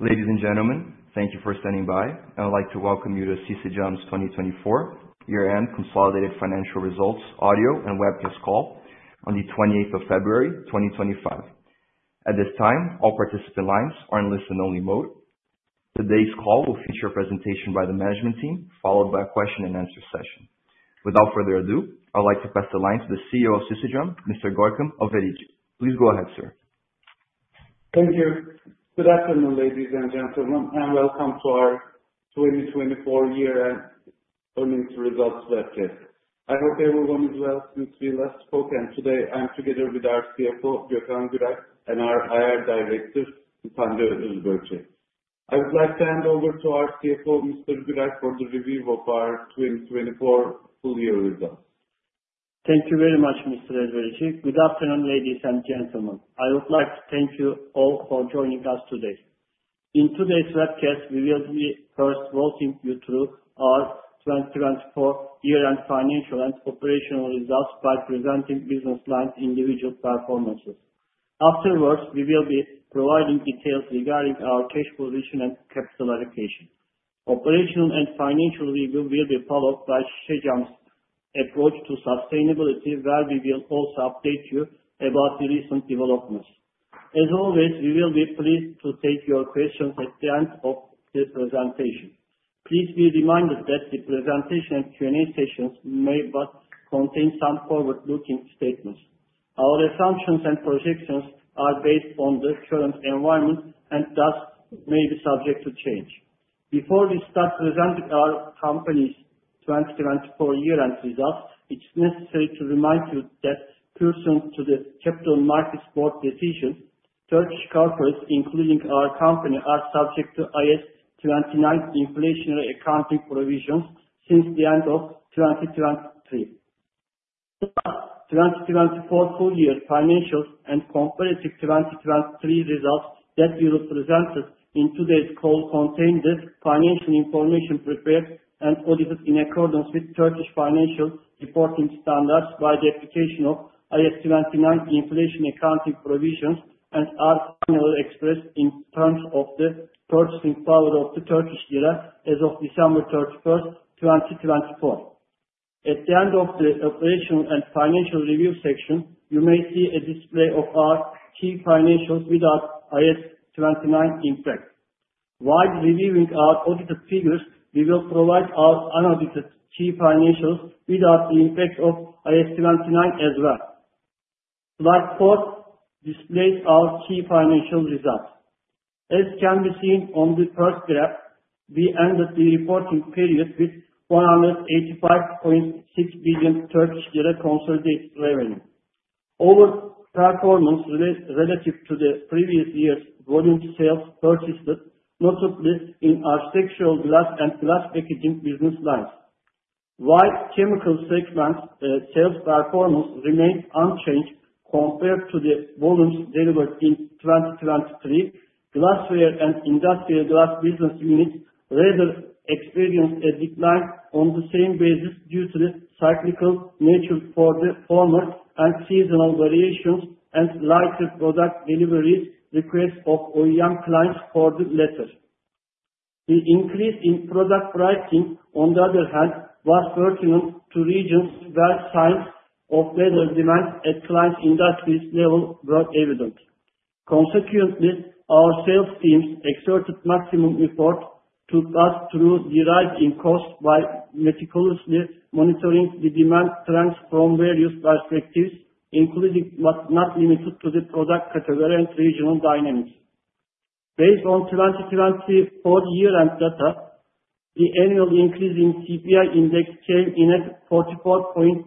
Ladies and gentlemen, thank you for standing by. I'd like to welcome you to Şişecam 2024 year-end consolidated financial results audio and webcast call on the 28th of February, 2025. At this time, all participant lines are in listen-only mode. Today's call will feature a presentation by the management team, followed by a question-and-answer session. Without further ado, I'd like to pass the line to the CEO of Şişecam, Mr. Görkem Elverici. Please go ahead, sir. Thank you. Good afternoon, ladies and gentlemen, and welcome to our 2024 year-end earnings results webcast. I hope everyone is well since we last spoke, and today I'm together with our CFO, Gökhan Güralp, and our IR Director, Hande Özbörçek. I would like to hand over to our CFO, Mr. Güralp, for the review of our 2024 full-year results. Thank you very much, Mr. Elverici. Good afternoon, ladies and gentlemen. I would like to thank you all for joining us today. In today's webcast, we will be first walking you through our 2024 year-end financial and operational results by presenting business line individual performances. Afterwards, we will be providing details regarding our cash position and capitalization. Operational and financial review will be followed by Şişecam's approach to sustainability, where we will also update you about the recent developments. As always, we will be pleased to take your questions at the end of the presentation. Please be reminded that the presentation and Q&A sessions may contain some forward-looking statements. Our assumptions and projections are based on the current environment and thus may be subject to change. Before we start presenting our company's 2024 year-end results, it's necessary to remind you that pursuant to the Capital Markets Board decision, Turkish corporates, including our company, are subject to IAS 29 inflationary accounting provisions since the end of 2023. The 2024 full-year financial and comparative 2023 results that we will present in today's call contain the financial information prepared and audited in accordance with Turkish Financial Reporting Standards by the application of IAS 29 inflation accounting provisions and are finally expressed in terms of the purchasing power of the Turkish lira as of December 31st, 2024. At the end of the operational and financial review section, you may see a display of our key financials without IAS 29 impact. While reviewing our audited figures, we will provide our unaudited key financials without the impact of IAS 29 as well. Slide four displays our key financial results. As can be seen on the first graph, we ended the reporting period with 185.6 billion consolidated revenue. Overall performance relative to the previous year's volume sales persisted, notably in our Architectural Glass and Glass Packaging business lines. While Chemicals segment sales performance remained unchanged compared to the volumes delivered in 2023, Glassware and Industrial Glass business units rather experienced a decline on the same basis due to the cyclical nature for the former and seasonal variations and lighter product deliveries requests of OEM clients for the latter. The increase in product pricing, on the other hand, was pertinent to regions where signs of better demand at client industry level were evident. Consequently, our sales teams exerted maximum effort to pass through deriving costs by meticulously monitoring the demand trends from various perspectives, including but not limited to the product category and regional dynamics. Based on 2024 year-end data, the annual increase in CPI index came in at 44.38%,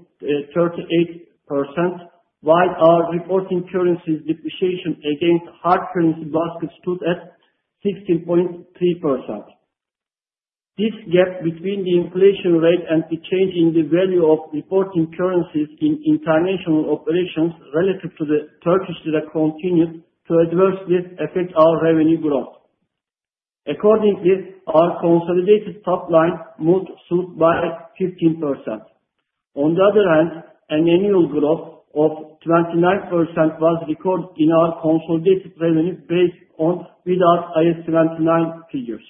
while our reporting currency depreciation against hard currency basket stood at 16.3%. This gap between the inflation rate and the change in the value of reporting currencies in international operations relative to the Turkish lira continued to adversely affect our revenue growth. Accordingly, our consolidated top line moved south by 15%. On the other hand, an annual growth of 29% was recorded in our consolidated revenue based on without IAS 29 figures.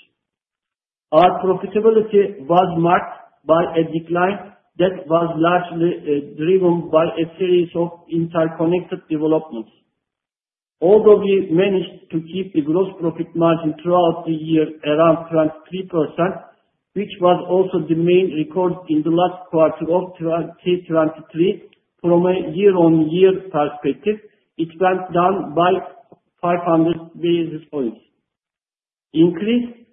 Our profitability was marked by a decline that was largely driven by a series of interconnected developments. Although we managed to keep the gross profit margin throughout the year around 23%, which was also the main record in the last quarter of 2023 from a year-on-year perspective, it went down by 500 basis points. Increased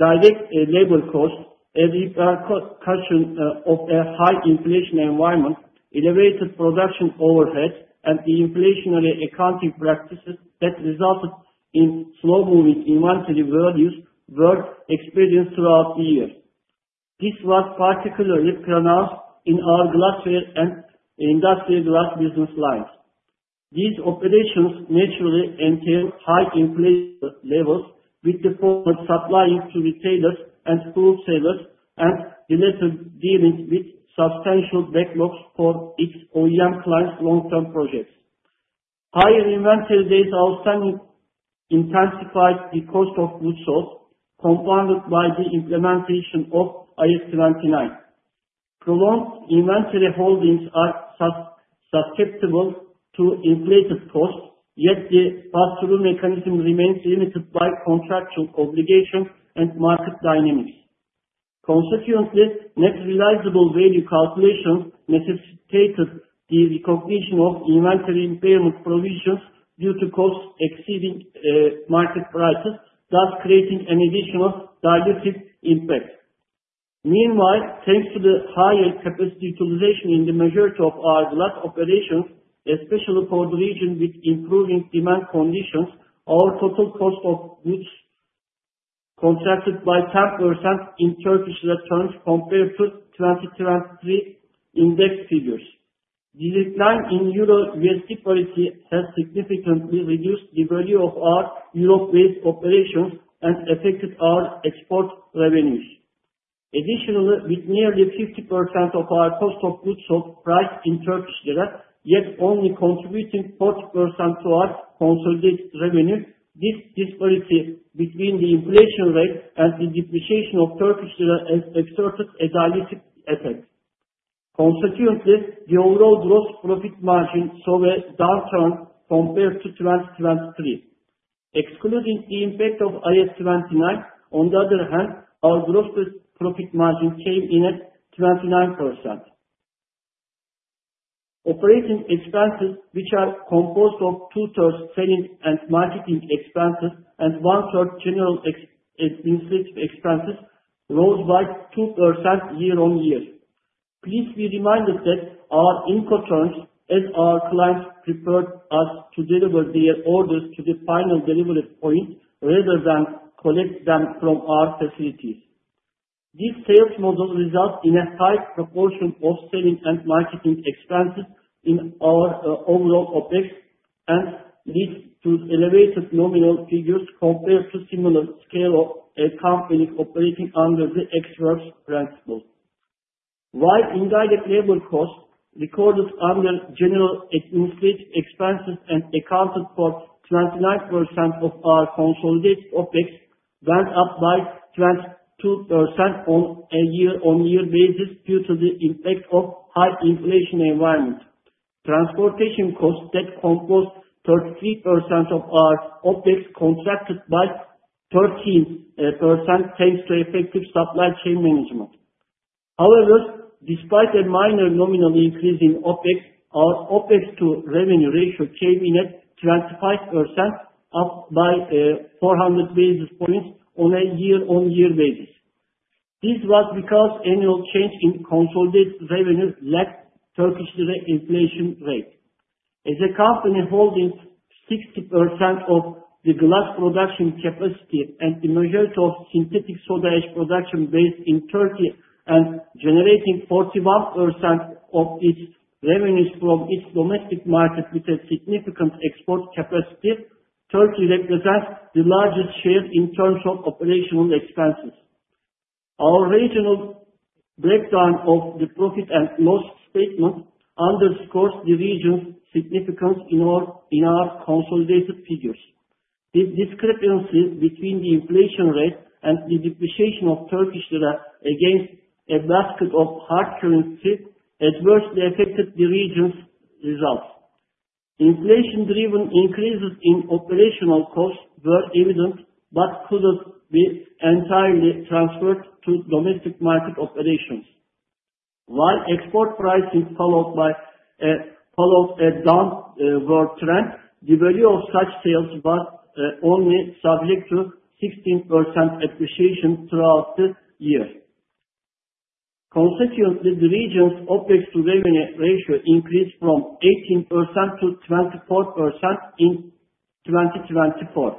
direct labor costs as a precaution of a high inflation environment elevated production overhead, and the inflationary accounting practices that resulted in slow-moving inventory values were experienced throughout the year. This was particularly pronounced in our Glassware and Industrial Glass business lines. These operations naturally entail high inflation levels, with the former supplying to retailers and wholesalers and the latter dealing with substantial backlogs for its OEM clients' long-term projects. Higher inventory data outstanding intensified the cost of goods sold, compounded by the implementation of IAS 29. Prolonged inventory holdings are susceptible to inflated costs, yet the pass-through mechanism remains limited by contractual obligation and market dynamics. Consequently, net realizable value calculations necessitated the recognition of inventory impairment provisions due to costs exceeding market prices, thus creating an additional dilutive impact. Meanwhile, thanks to the higher capacity utilization in the majority of our glass operations, especially for the region with improving demand conditions, our total cost of goods contracted by 10% in Turkish lira terms compared to 2023 index figures. The decline in EUR/USD rate has significantly reduced the value of our Europe-based operations and affected our export revenues. Additionally, with nearly 50% of our cost of goods sold price in Turkish lira, yet only contributing 40% to our consolidated revenue, this disparity between the inflation rate and the depreciation of Turkish lira has exerted a dilutive effect. Consequently, the overall gross profit margin saw a downturn compared to 2023. Excluding the impact of IAS 29, on the other hand, our gross profit margin came in at 29%. Operating expenses, which are composed of two-thirds selling and marketing expenses and one-third general administrative expenses, rose by 2% year-on-year. Please be reminded that our Incoterms, as our clients preferred us to deliver their orders to the final delivery point rather than collect them from our facilities. This sales model resulted in a high proportion of selling and marketing expenses in our overall OpEx and leads to elevated nominal figures compared to similar scale of a company operating under the Ex Works principle. While indirect labor costs, recorded under general administrative expenses and accounted for 29% of our consolidated OpEx, went up by 22% on a year-on-year basis due to the impact of high inflation environment. Transportation costs that composed 33% of our OpEx contracted by 13% thanks to effective supply chain management. However, despite a minor nominal increase in OpEx, our OpEx-to-revenue ratio came in at 25%, up by 400 basis points on a year-on-year basis. This was because annual change in consolidated revenue lagged Turkish lira inflation rate. As a company holding 60% of the glass production capacity and the majority of synthetic soda-ash production based in Turkey and generating 41% of its revenues from its domestic market with a significant export capacity, Turkey represents the largest share in terms of operational expenses. Our regional breakdown of the profit and loss statement underscores the region's significance in our consolidated figures. The discrepancy between the inflation rate and the depreciation of Turkish lira against a basket of hard currency adversely affected the region's results. Inflation-driven increases in operational costs were evident but could not be entirely transferred to domestic market operations. While export pricing followed a downward trend, the value of such sales was only subject to 16% appreciation throughout the year. Consequently, the region's OpEx-to-revenue ratio increased from 18% to 24% in 2024.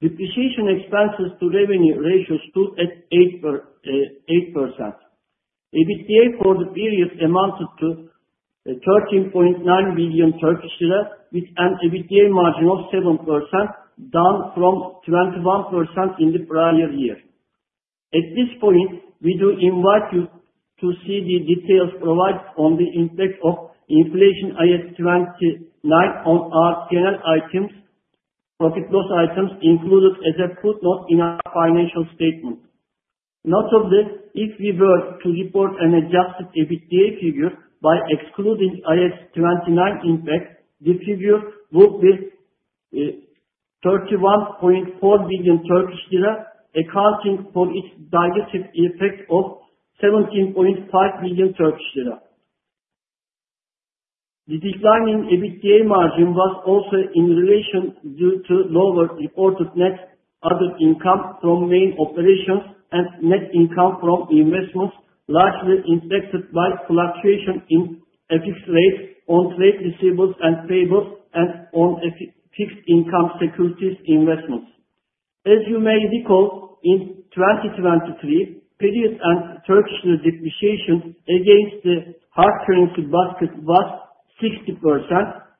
Depreciation expenses-to-revenue ratios stood at 8%. EBITDA for the period amounted to 13.9 billion Turkish lira, with an EBITDA margin of 7%, down from 21% in the prior year. At this point, we do invite you to see the details provided on the impact of inflation IAS 29 on our general items, profit-loss items, included as a footnote in our financial statement. Notably, if we were to report an adjusted EBITDA figure by excluding IAS 29 impact, the figure would be 31.4 billion Turkish lira, accounting for its dilutive effect of 17.5 billion Turkish lira. The decline in EBITDA margin was also in relation due to lower reported net other income from main operations and net income from investments, largely impacted by fluctuation in FX rates on trade receivables and payables and on fixed income securities investments. As you may recall, in 2023 period and Turkish lira depreciation against the hard currency basket was 60%,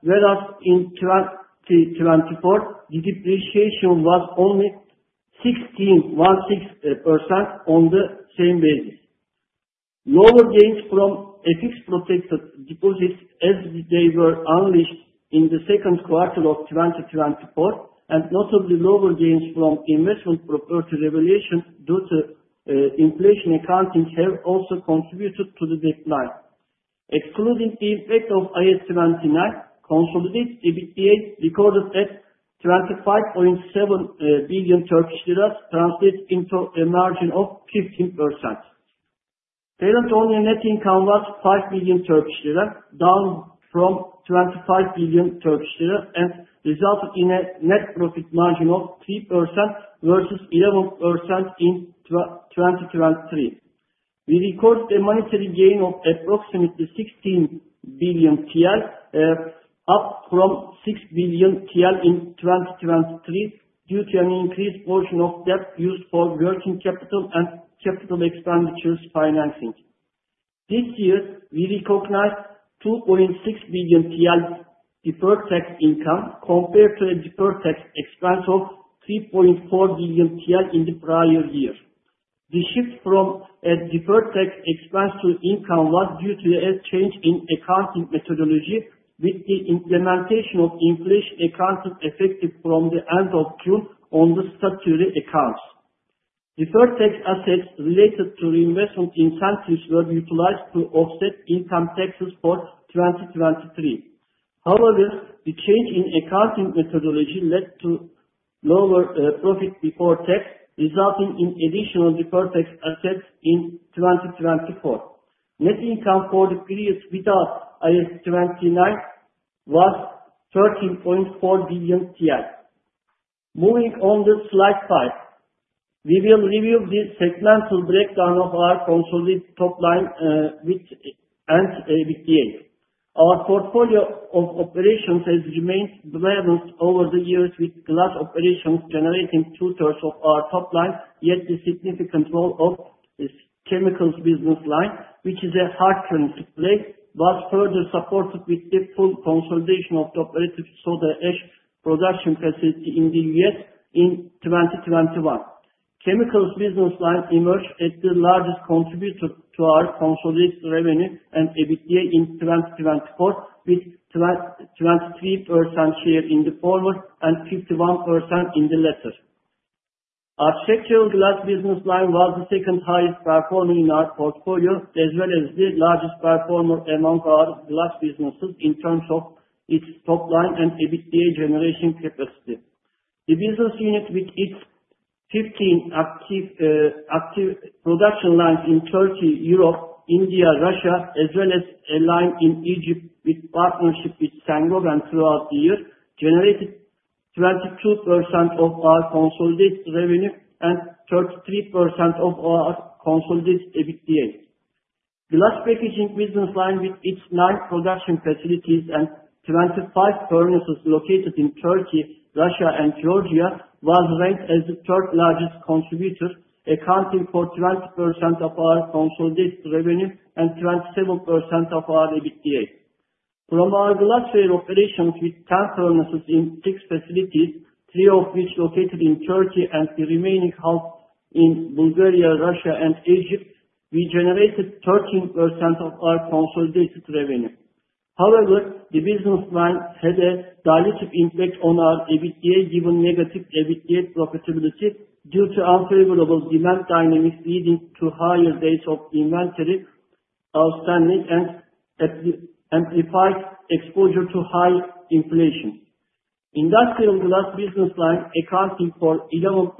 whereas in 2024, the depreciation was only 16.6% on the same basis. Lower gains from FX-protected deposits, as they were unleashed in the second quarter of 2024, and notably, lower gains from investment property revaluation due to inflation accounting have also contributed to the decline. Excluding the impact of IAS 29, consolidated EBITDA recorded at 25.7 billion Turkish lira, translated into a margin of 15%. Parent-only net income was 5 billion Turkish lira, down from 25 billion Turkish lira, and resulted in a net profit margin of 3% versus 11% in 2023. We recorded a monetary gain of approximately 16 billion TL, up from 6 billion TL in 2023 due to an increased portion of debt used for working capital and capital expenditures financing. This year, we recognized TL 2.6 billion deferred tax income compared to a deferred tax expense of TL 3.4 billion in the prior year. The shift from a deferred tax expense to income was due to a change in accounting methodology, with the implementation of inflation accounting effective from the end of June on the statutory accounts. Deferred tax assets related to reinvestment incentives were utilized to offset income taxes for 2023. However, the change in accounting methodology led to lower profit before tax, resulting in additional deferred tax assets in 2024. Net income for the period without IAS 29 was TL 13.4 billion. Moving on to slide five, we will review the segmental breakdown of our consolidated top line and EBITDA. Our portfolio of operations has remained balanced over the years, with glass operations generating two-thirds of our top line, yet the significant role of the Chemicals business line, which is a hard currency play, was further supported with the full consolidation of the operative soda ash production facility in the U.S. in 2021. Chemicals business line emerged as the largest contributor to our consolidated revenue and EBITDA in 2024, with 23% share in the former and 51% in the latter. Our Architectural Glass business line was the second highest performer in our portfolio, as well as the largest performer among our glass businesses in terms of its top line and EBITDA generation capacity. The business unit, with its 15 active production lines in Turkey, Europe, India, Russia, as well as a line in Egypt with partnership with Saint-Gobain throughout the year, generated 22% of our consolidated revenue and 33% of our consolidated EBITDA. Glass Packaging business line, with its nine production facilities and 25 furnaces located in Turkey, Russia, and Georgia, was ranked as the third largest contributor, accounting for 20% of our consolidated revenue and 27% of our EBITDA. From our glassware operations, with 10 furnaces in six facilities, three of which located in Turkey and the remaining half in Bulgaria, Russia, and Egypt, we generated 13% of our consolidated revenue. However, the business line had a dilutive impact on our EBITDA, given negative EBITDA profitability due to unfavorable demand dynamics leading to higher days of inventory outstanding and amplified exposure to high inflation. Industrial Glass business line, accounting for 11%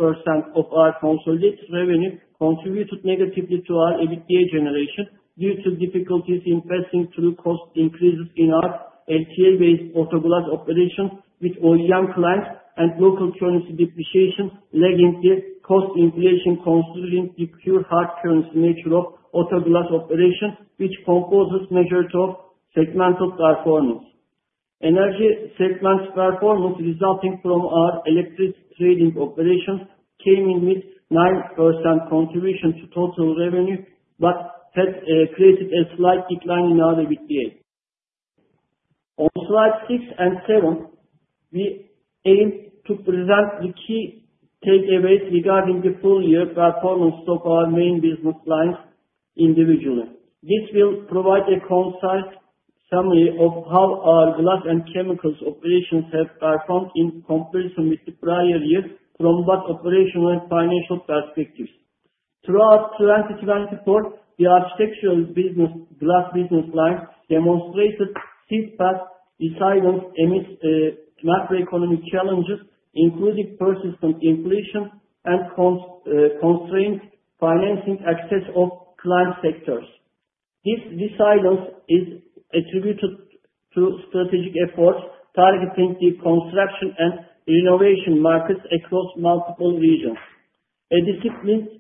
of our consolidated revenue, contributed negatively to our EBITDA generation due to difficulties in passing through cost increases in our TL-based auto glass operations with OEM clients and local currency depreciation lagging the cost inflation considering the pure hard currency nature of auto glass operations, which comprises measure of segmental performance. Energy segment performance resulting from our electric trading operations came in with 9% contribution to total revenue but had created a slight decline in our EBITDA. On slides six and seven, we aim to present the key takeaways regarding the full-year performance of our main business lines individually. This will provide a concise summary of how our glass and chemicals operations have performed in comparison with the prior year from both operational and financial perspectives. Throughout 2024, the Architectural Glass business line demonstrated steadfast resilience amid macroeconomic challenges, including persistent inflation and constrained financing access of client sectors. This resilience is attributed to strategic efforts targeting the construction and renovation markets across multiple regions. A disciplined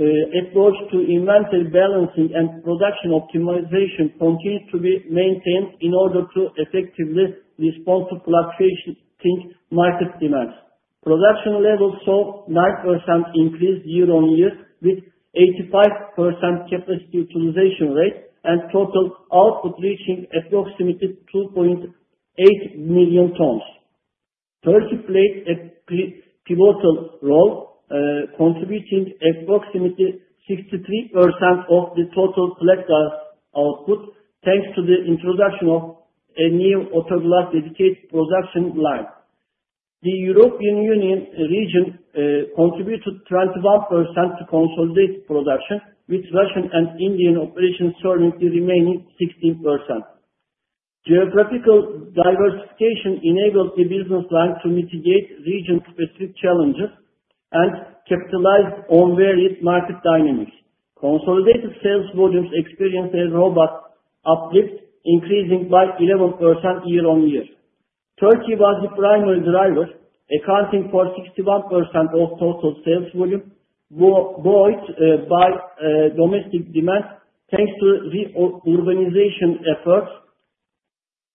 approach to inventory balancing and production optimization continues to be maintained in order to effectively respond to fluctuating market demands. Production levels saw 9% increase year-on-year with 85% capacity utilization rate and total output reaching approximately 2.8 million tons. Turkey played a pivotal role, contributing approximately 63% of the total plate glass output, thanks to the introduction of a new auto glass dedicated production line. The European Union region contributed 21% to consolidated production, with Russian and Indian operations serving the remaining 16%. Geographical diversification enabled the business line to mitigate region-specific challenges and capitalize on varied market dynamics. Consolidated sales volumes experienced a robust uplift, increasing by 11% year-on-year. Turkey was the primary driver, accounting for 61% of total sales volume, buoyed by domestic demand thanks to re-urbanization efforts,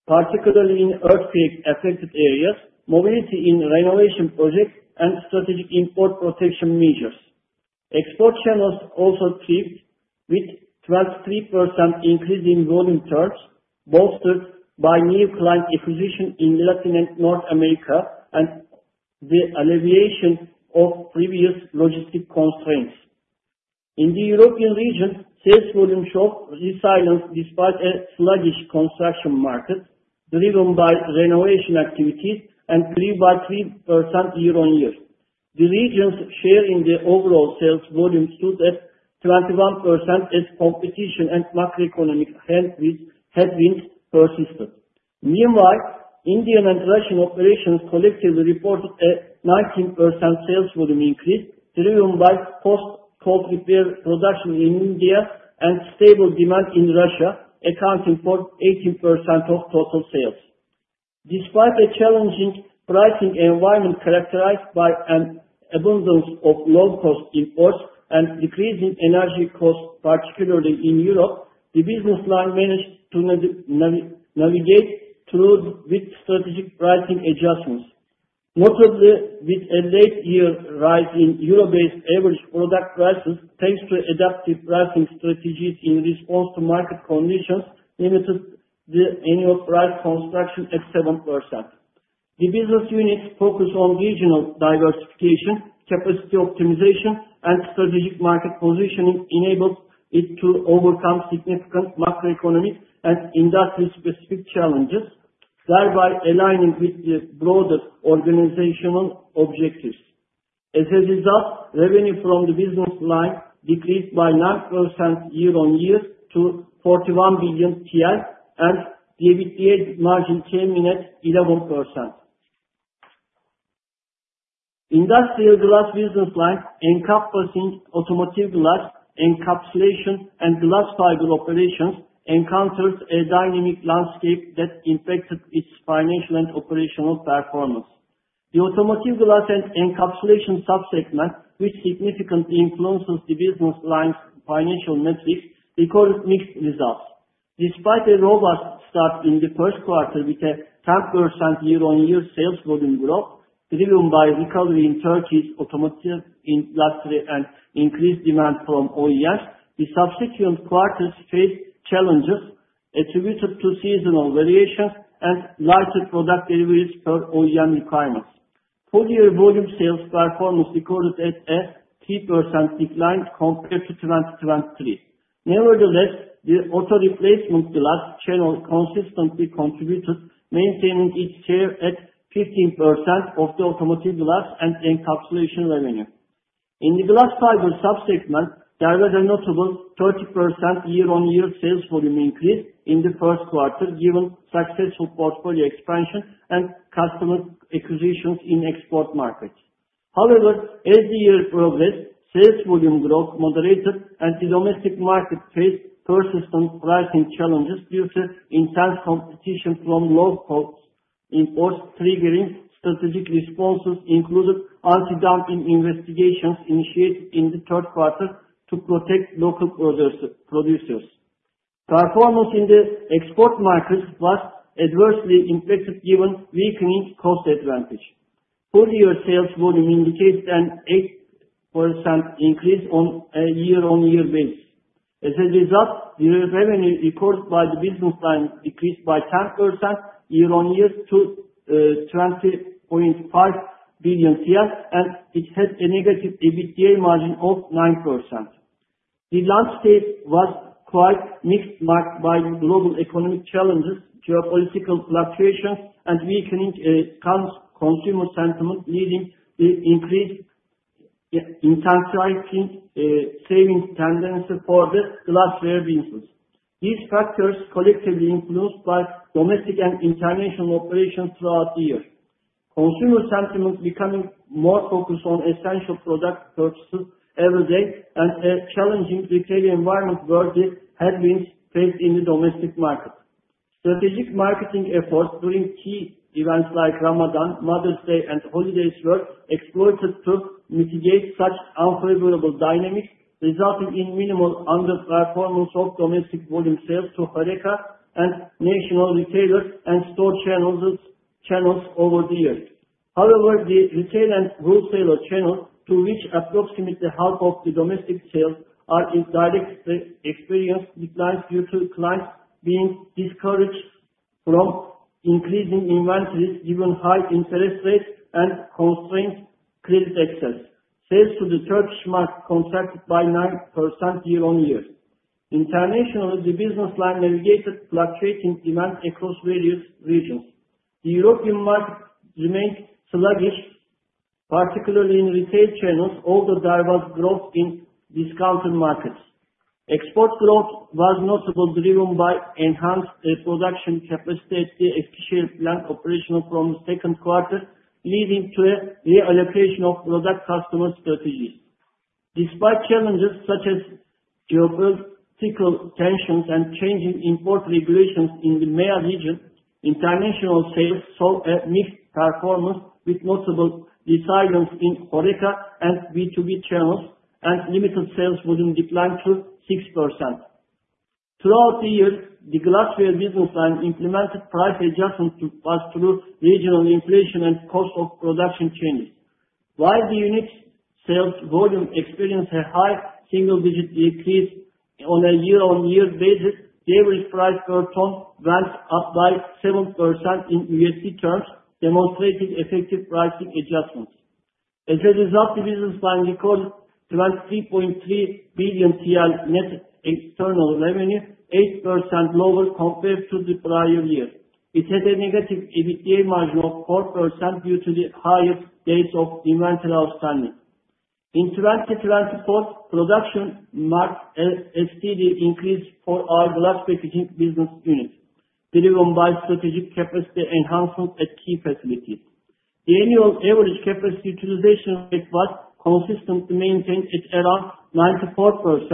particularly in earthquake-affected areas, mobility in renovation projects, and strategic import protection measures. Export channels also peaked with 23% increase in volume turns bolstered by new client acquisition in Latin and North America and the alleviation of previous logistic constraints. In the European region, sales volumes showed resilience despite a sluggish construction market driven by renovation activities and 3.3% year-on-year. The region's share in the overall sales volume stood at 21% as competition and macroeconomic headwinds persisted. Meanwhile, Indian and Russian operations collectively reported a 19% sales volume increase, driven by post-cold repair production in India and stable demand in Russia, accounting for 18% of total sales. Despite a challenging pricing environment characterized by an abundance of low-cost imports and decreasing energy costs, particularly in Europe, the business line managed to navigate through with strategic pricing adjustments. Notably, with a late-year rise in Euro-based average product prices, thanks to adaptive pricing strategies in response to market conditions, limited the annual price construction at 7%. The business unit's focus on regional diversification, capacity optimization, and strategic market positioning enabled it to overcome significant macroeconomic and industry-specific challenges, thereby aligning with the broader organizational objectives. As a result, revenue from the business line decreased by 9% year-on-year to 41 billion TL, and the EBITDA margin came in at 11%. Industrial Glass business line, encompassing automotive glass encapsulation and glass fiber operations, encountered a dynamic landscape that impacted its financial and operational performance. The automotive glass and encapsulation subsegment, which significantly influences the business line's financial metrics, recorded mixed results. Despite a robust start in the first quarter with a 10% year-on-year sales volume growth, driven by recovery in Turkey's automotive industry and increased demand from OEMs, the subsequent quarters faced challenges attributed to seasonal variation and lighter product deliveries per OEM requirements. Full-year volume sales performance recorded at a 3% decline compared to 2023. Nevertheless, the auto replacement glass channel consistently contributed, maintaining its share at 15% of the automotive glass and encapsulation revenue. In the glass fiber subsegment, there was a notable 30% year-on-year sales volume increase in the first quarter, given successful portfolio expansion and customer acquisitions in export markets. However, as the year progressed, sales volume growth moderated, and the domestic market faced persistent pricing challenges due to intense competition from local imports, triggering strategic responses, including anti-dumping investigations initiated in the third quarter to protect local producers. Performance in the export markets was adversely impacted, given weakening cost advantage. Full-year sales volume indicated an 8% increase on a year-on-year basis. As a result, the revenue recorded by the business line decreased by 10% year-on-year to 20.5 billion, and it had a negative EBITDA margin of 9%. The landscape was quite mixed, marked by global economic challenges, geopolitical fluctuations, and weakening consumer sentiment, leading to increased intensifying savings tendency for the Glassware business. These factors collectively influenced by domestic and international operations throughout the year. Consumer sentiment becoming more focused on essential product purchases every day, and a challenging retail environment where the headwinds faced in the domestic market. Strategic marketing efforts during key events like Ramadan, Mother's Day, and holidays were exploited to mitigate such unfavorable dynamics, resulting in minimal underperformance of domestic volume sales to HoReCa and national retailers and store channels over the years. However, the retail and wholesaler channels to which approximately half of the domestic sales are indirectly experienced declines due to clients being discouraged from increasing inventories, given high interest rates and constrained credit access. Sales to the Turkish market contracted by 9% year-on-year. Internationally, the business line navigated fluctuating demand across various regions. The European market remained sluggish, particularly in retail channels, although there was growth in discounted markets. Export growth was notably driven by enhanced production capacity at the Eskişehir plant operation from the second quarter, leading to a reallocation of product customer strategies. Despite challenges such as geopolitical tensions and changing import regulations in the MEA region, international sales saw a mixed performance, with notable resilience in HoReCa and B2B channels, and limited sales volume declined to 6%. Throughout the year, the Glassware business line implemented price adjustment was through regional inflation and cost of production changes. While the unit sales volume experienced a high single-digit decrease on a year-on-year basis, the average price per ton went up by 7% in USD terms, demonstrating effective pricing adjustments. As a result, the business line recorded 23.3 billion TL net external revenue, 8% lower compared to the prior year. It had a negative EBITDA margin of 4% due to the highest days of inventory outstanding. In 2024, production marked a steady increase for our glass packaging business unit, driven by strategic capacity enhancement at key facilities. The annual average capacity utilization rate was consistently maintained at around 94%,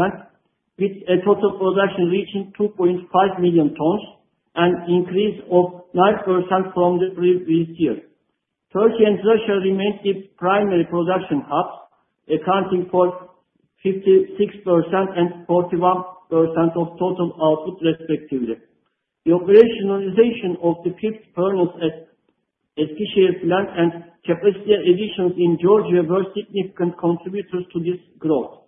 with a total production reaching 2.5 million tons and increase of 9% from the previous year. Turkey and Russia remained the primary production hubs, accounting for 56% and 41% of total output, respectively. The operationalization of the fifth furnace at Eskişehir plant and capacity additions in Georgia were significant contributors to this growth.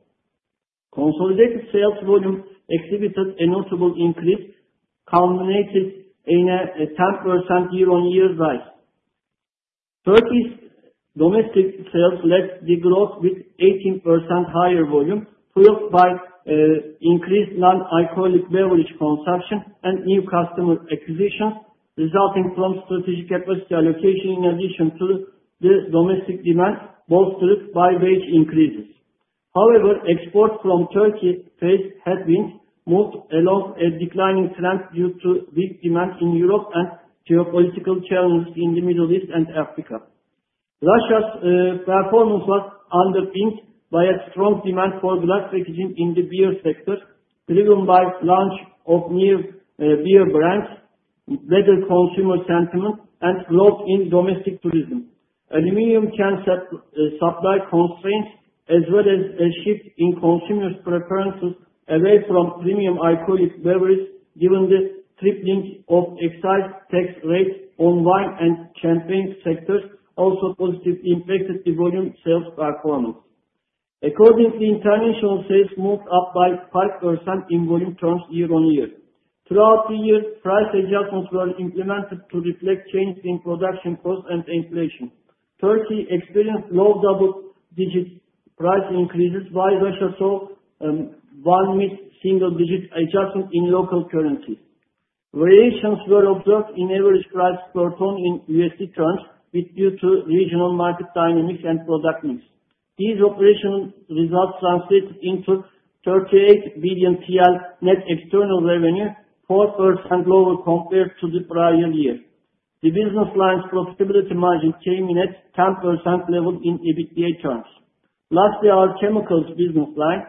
Consolidated sales volume exhibited a notable increase, culminating in a 10% year-on-year rise. Turkey's domestic sales led the growth with 18% higher volume, fueled by increased non-alcoholic beverage consumption and new customer acquisitions resulting from strategic capacity allocation, in addition to the domestic demand bolstered by wage increases. However, exports from Turkey faced headwinds, moved along a declining trend due to weak demand in Europe and geopolitical challenges in the Middle East and Africa. Russia's performance was underpinned by a strong demand for glass packaging in the beer sector, driven by the launch of new beer brands, better consumer sentiment, and growth in domestic tourism. Aluminum can supply constraints, as well as a shift in consumers' preferences away from premium alcoholic beverages, given the tripling of excise tax rates on wine and champagne sectors, also positively impacted the volume sales performance. Accordingly, international sales moved up by 5% in volume terms year-on-year. Throughout the year, price adjustments were implemented to reflect changes in production costs and inflation. Turkey experienced low double-digit price increases, while Russia saw one mid-single-digit adjustment in local currency. Variations were observed in average price per ton in USD terms, due to regional market dynamics and product needs. These operational results translated into 38 billion TL net external revenue, 4% lower compared to the prior year. The business line's profitability margin came in at 10% level in EBITDA terms. Lastly, our Chemicals business line.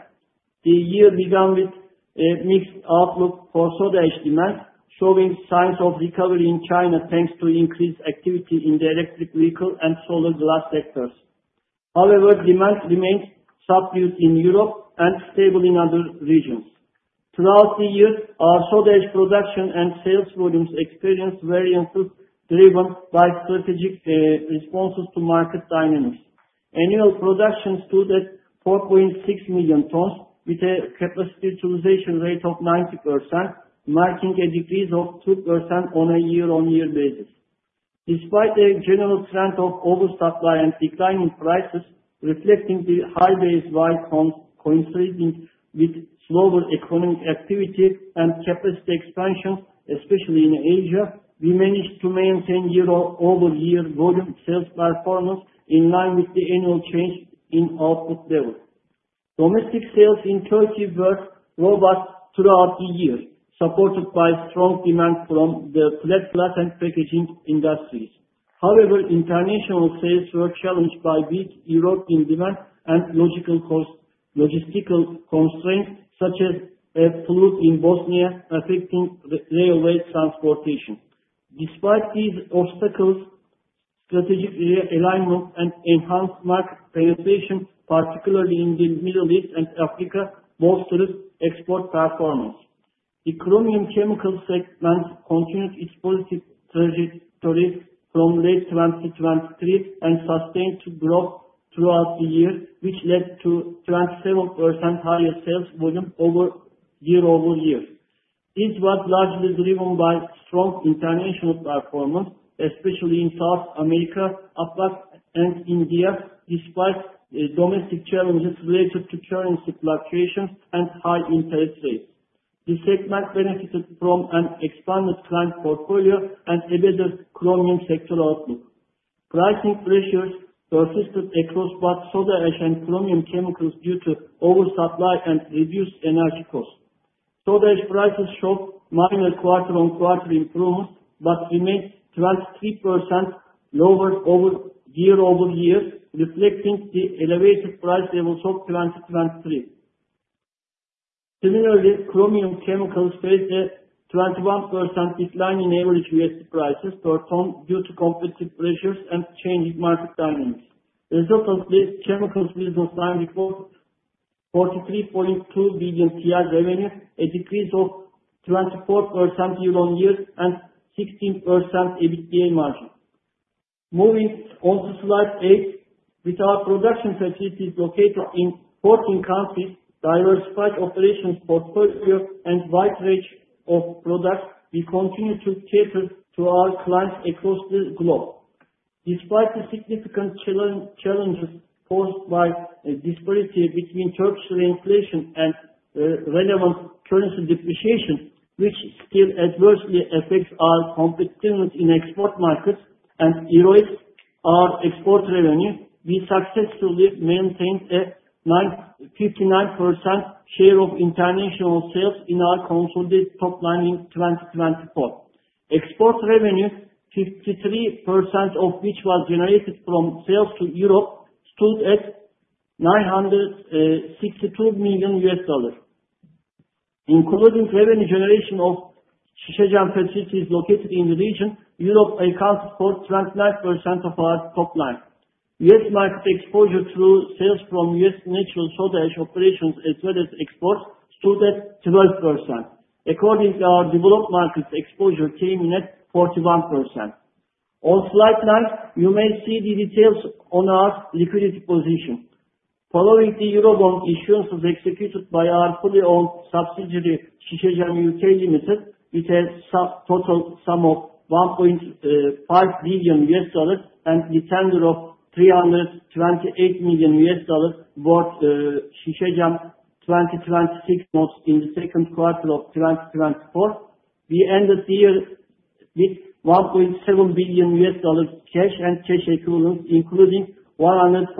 The year began with a mixed outlook for soda ash demand, showing signs of recovery in China thanks to increased activity in the electric vehicle and solar glass sectors. However, demand remained subdued in Europe and stable in other regions. Throughout the year, our soda ash production and sales volumes experienced variances driven by strategic responses to market dynamics. Annual production stood at 4.6 million tons, with a capacity utilization rate of 90%, marking a decrease of 2% on a year-on-year basis. Despite the general trend of oversupply and declining prices, reflecting the high base YOY coinciding with slower economic activity and capacity expansion, especially in Asia, we managed to maintain year-over-year volume sales performance in line with the annual change in output level. Domestic sales in Turkey were robust throughout the year, supported by strong demand from the flat glass and packaging industries. However, international sales were challenged by weak European demand and logistical constraints, such as a flood in Bosnia affecting railway transportation. Despite these obstacles, strategic realignment and enhanced market penetration, particularly in the Middle East and Africa, bolstered export performance. The chromium chemicals segment continued its positive trajectory from late 2023 and sustained growth throughout the year, which led to 27% higher sales volume over year-over-year. This was largely driven by strong international performance, especially in South America, Afghanistan, and India, despite domestic challenges related to currency fluctuations and high interest rates. The segment benefited from an expanded client portfolio and a better chromium sector outlook. Pricing pressures persisted across both soda ash and chromium chemicals due to oversupply and reduced energy costs. Soda ash prices showed minor quarter-on-quarter improvements but remained 23% lower over year-over-year, reflecting the elevated price levels of 2023. Similarly, chromium chemicals faced a 21% decline in average USD prices per ton due to competitive pressures and changing market dynamics. Resultantly, Chemicals business line reported TL 43.2 billion revenue, a decrease of 24% year-on-year, and 16% EBITDA margin. Moving on to slide eight, with our production facilities located in 14 countries, diversified operations portfolio, and wide range of products, we continue to cater to our clients across the globe. Despite the significant challenges posed by disparity between hyperinflation and relevant currency depreciation, which still adversely affects our competitiveness in export markets and eroded our export revenue, we successfully maintained a 59% share of international sales in our consolidated top line in 2024. Export revenue, 53% of which was generated from sales to Europe, stood at $962 million. Including revenue generation of Şişecam facilities located in the region, Europe accounts for 29% of our top line. US market exposure through sales from US natural soda ash operations, as well as exports, stood at 12%. Accordingly, our developed market exposure came in at 41%. On slide nine, you may see the details on our liquidity position. Following the Eurobond issuances executed by our fully-owned subsidiary, Şişecam U.K. Limited, with a total sum of $1.5 billion and the tender of $328 million worth Şişecam 2026 notes in the second quarter of 2024, we ended the year with $1.7 billion cash and cash equivalents, including $142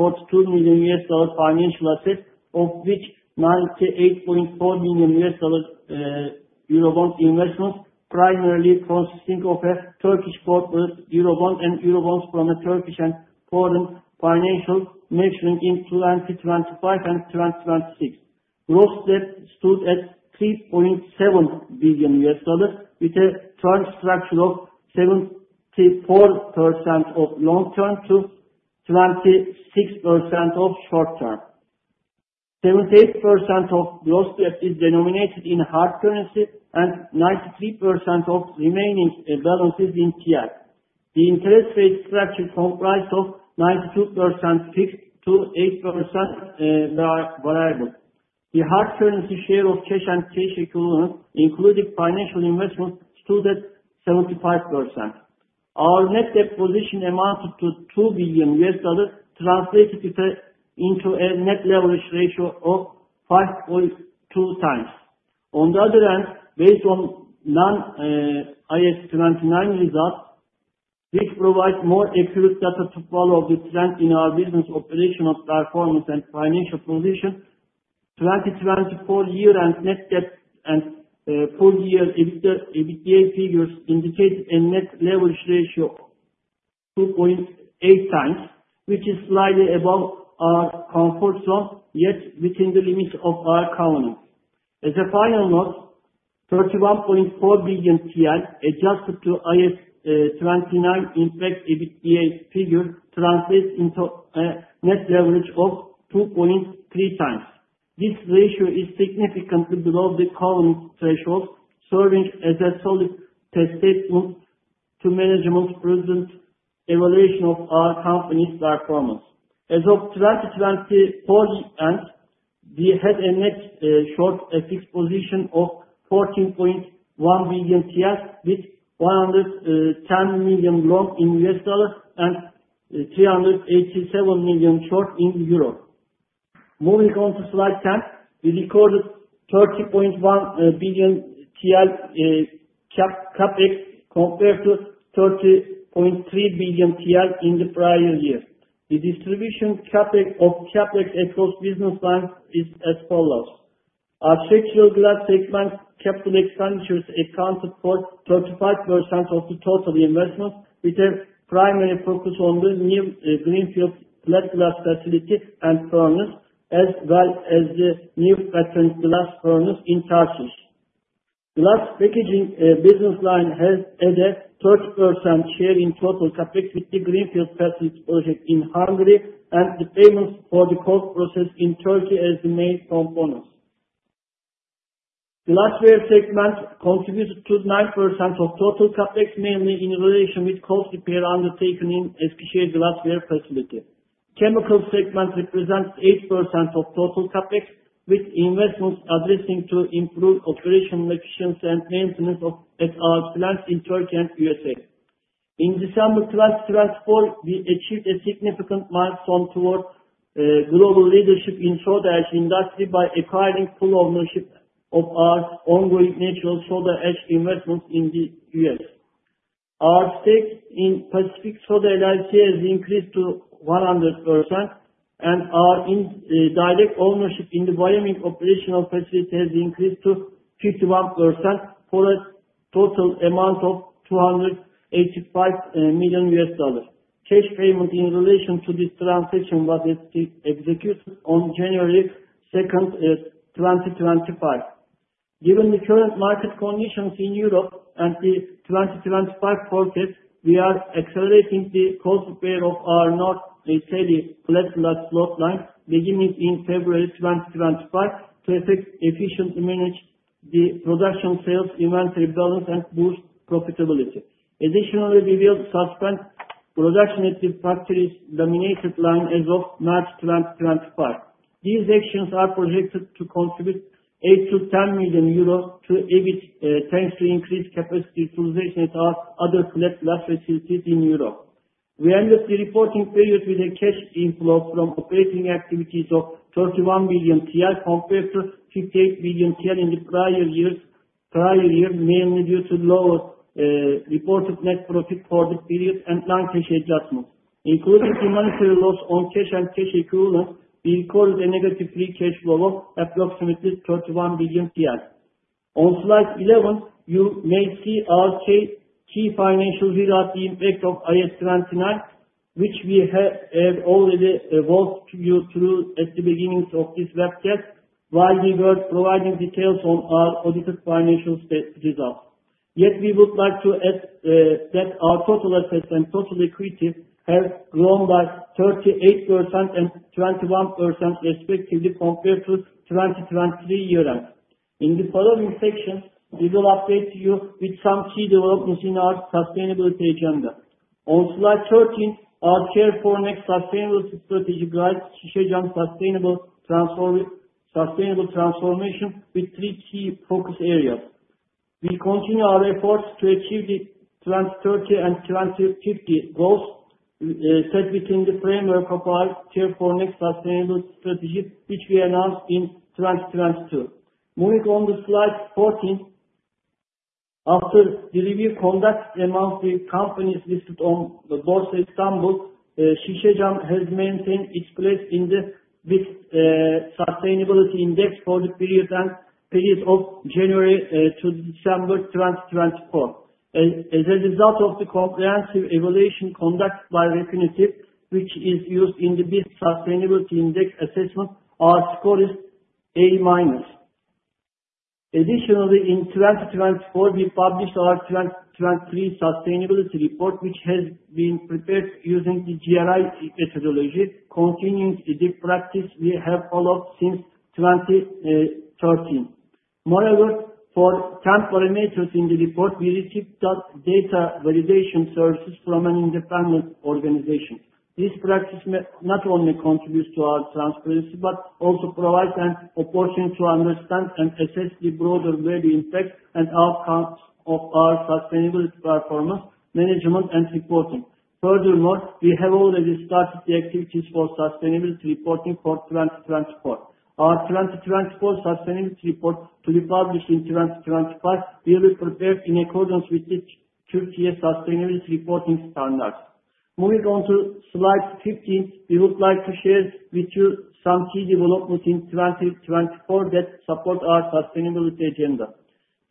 million financial assets, of which $98.4 million Eurobond investments, primarily consisting of a Turkish corporate Eurobond and Eurobonds from a Turkish and foreign financial maturing in 2025 and 2026. Gross debt stood at $3.7 billion, with a term structure of 74% long-term to 26% short-term. 78% of gross debt is denominated in hard currency and 93% of remaining balances in TL. The interest rate structure comprised of 92% fixed to 8% variable. The hard currency share of cash and cash equivalents, including financial investments, stood at 75%. Our net debt position amounted to $2 billion, translated into a net leverage ratio of 5.2 times. On the other hand, based on non-IAS 29 results, which provide more accurate data to follow the trend in our business operational performance and financial position, 2024 year-end net debt and full-year EBITDA figures indicated a net leverage ratio of 2.8 times, which is slightly above our comfort zone, yet within the limits of our covenant. As a final note, 31.4 billion TL, adjusted to IAS 29, impact EBITDA figure translated into a net leverage of 2.3 times. This ratio is significantly below the covenant threshold, serving as a solid testament to management's present evaluation of our company's performance. As of 2024 year-end, we had a net short fixed position of 14.1 billion TL, with 110 million long in USD and 387 million short in EUR. Moving on to slide 10, we recorded 30.1 billion TL CapEx compared to 30.3 billion TL in the prior year. The distribution of CapEx across business line is as follows. Our Flat Glass segment capital expenditures accounted for 35% of the total investment, with a primary focus on the new greenfield flat glass facility and furnace, as well as the new flat glass furnace in Tarsus. Glass Packaging business line has a 30% share in total CapEx with the greenfield facility project in Hungary, and the payments for the expansion process in Turkey as the main components. Glassware segment contributed to 9% of total CapEx, mainly in relation with cold repair undertaken in Eskişehir Glassware Facility. Chemicals segment represents 8% of total CapEx, with investments addressing to improve operational efficiency and maintenance of our plants in Turkey and USA. In December 2024, we achieved a significant milestone toward global leadership in soda ash industry by acquiring full ownership of our ongoing natural soda ash investments in the U.S. Our stake in Pacific Soda LLC has increased to 100%, and our direct ownership in the Wyoming operational facility has increased to 51% for a total amount of $285 million. Cash payment in relation to this transaction was executed on January 2nd, 2025. Given the current market conditions in Europe and the 2025 forecast, we are accelerating the cold repair of our Northern Italy flat glass float line, beginning in February 2025, to efficiently manage the production sales inventory balance and boost profitability. Additionally, we will suspend production at the factory's laminated line as of March 2025. These actions are projected to contribute 8-10 million euros to EBIT, thanks to increased capacity utilization at our other flat glass facilities in Europe. We ended the reporting period with a cash inflow from operating activities of 31 billion TL compared to 58 billion TL in the prior year, mainly due to lower reported net profit for the period and non-cash adjustments. Including the monetary loss on cash and cash equivalents, we recorded a negative free cash flow of approximately 31 billion. On slide 11, you may see our key financial result impact of IAS 29, which we have already walked you through at the beginning of this webcast while we were providing details on our audited financial results. Yet, we would like to add that our total assets and total equity have grown by 38% and 21% respectively compared to 2023 year-end. In the following section, we will update you with some key developments in our sustainability agenda. On slide 13, our Care for Next Sustainability Strategy guides Şişecam Sustainable Transformation with three key focus areas. We continue our efforts to achieve the 2030 and 2050 goals set within the framework of our Care for Next Sustainability Strategy, which we announced in 2022. Moving on to slide 14, after the review conducted amongst the companies listed on the Borsa Istanbul, Şişecam has maintained its place in the BIST Sustainability Index for the period of January to December 2024. As a result of the comprehensive evaluation conducted by Refinitiv, which is used in the BIST Sustainability Index assessment, our score is A minus. Additionally, in 2024, we published our 2023 sustainability report, which has been prepared using the GRI methodology, continuing the practice we have followed since 2013. Moreover, for temporary methods in the report, we received data validation services from an independent organization. This practice not only contributes to our transparency but also provides an opportunity to understand and assess the broader value impact and outcomes of our sustainability performance management and reporting. Furthermore, we have already started the activities for sustainability reporting for 2024. Our 2024 sustainability report, to be published in 2025, will be prepared in accordance with the Türkiye Sustainability Reporting Standards. Moving on to slide 15, we would like to share with you some key developments in 2024 that support our sustainability agenda.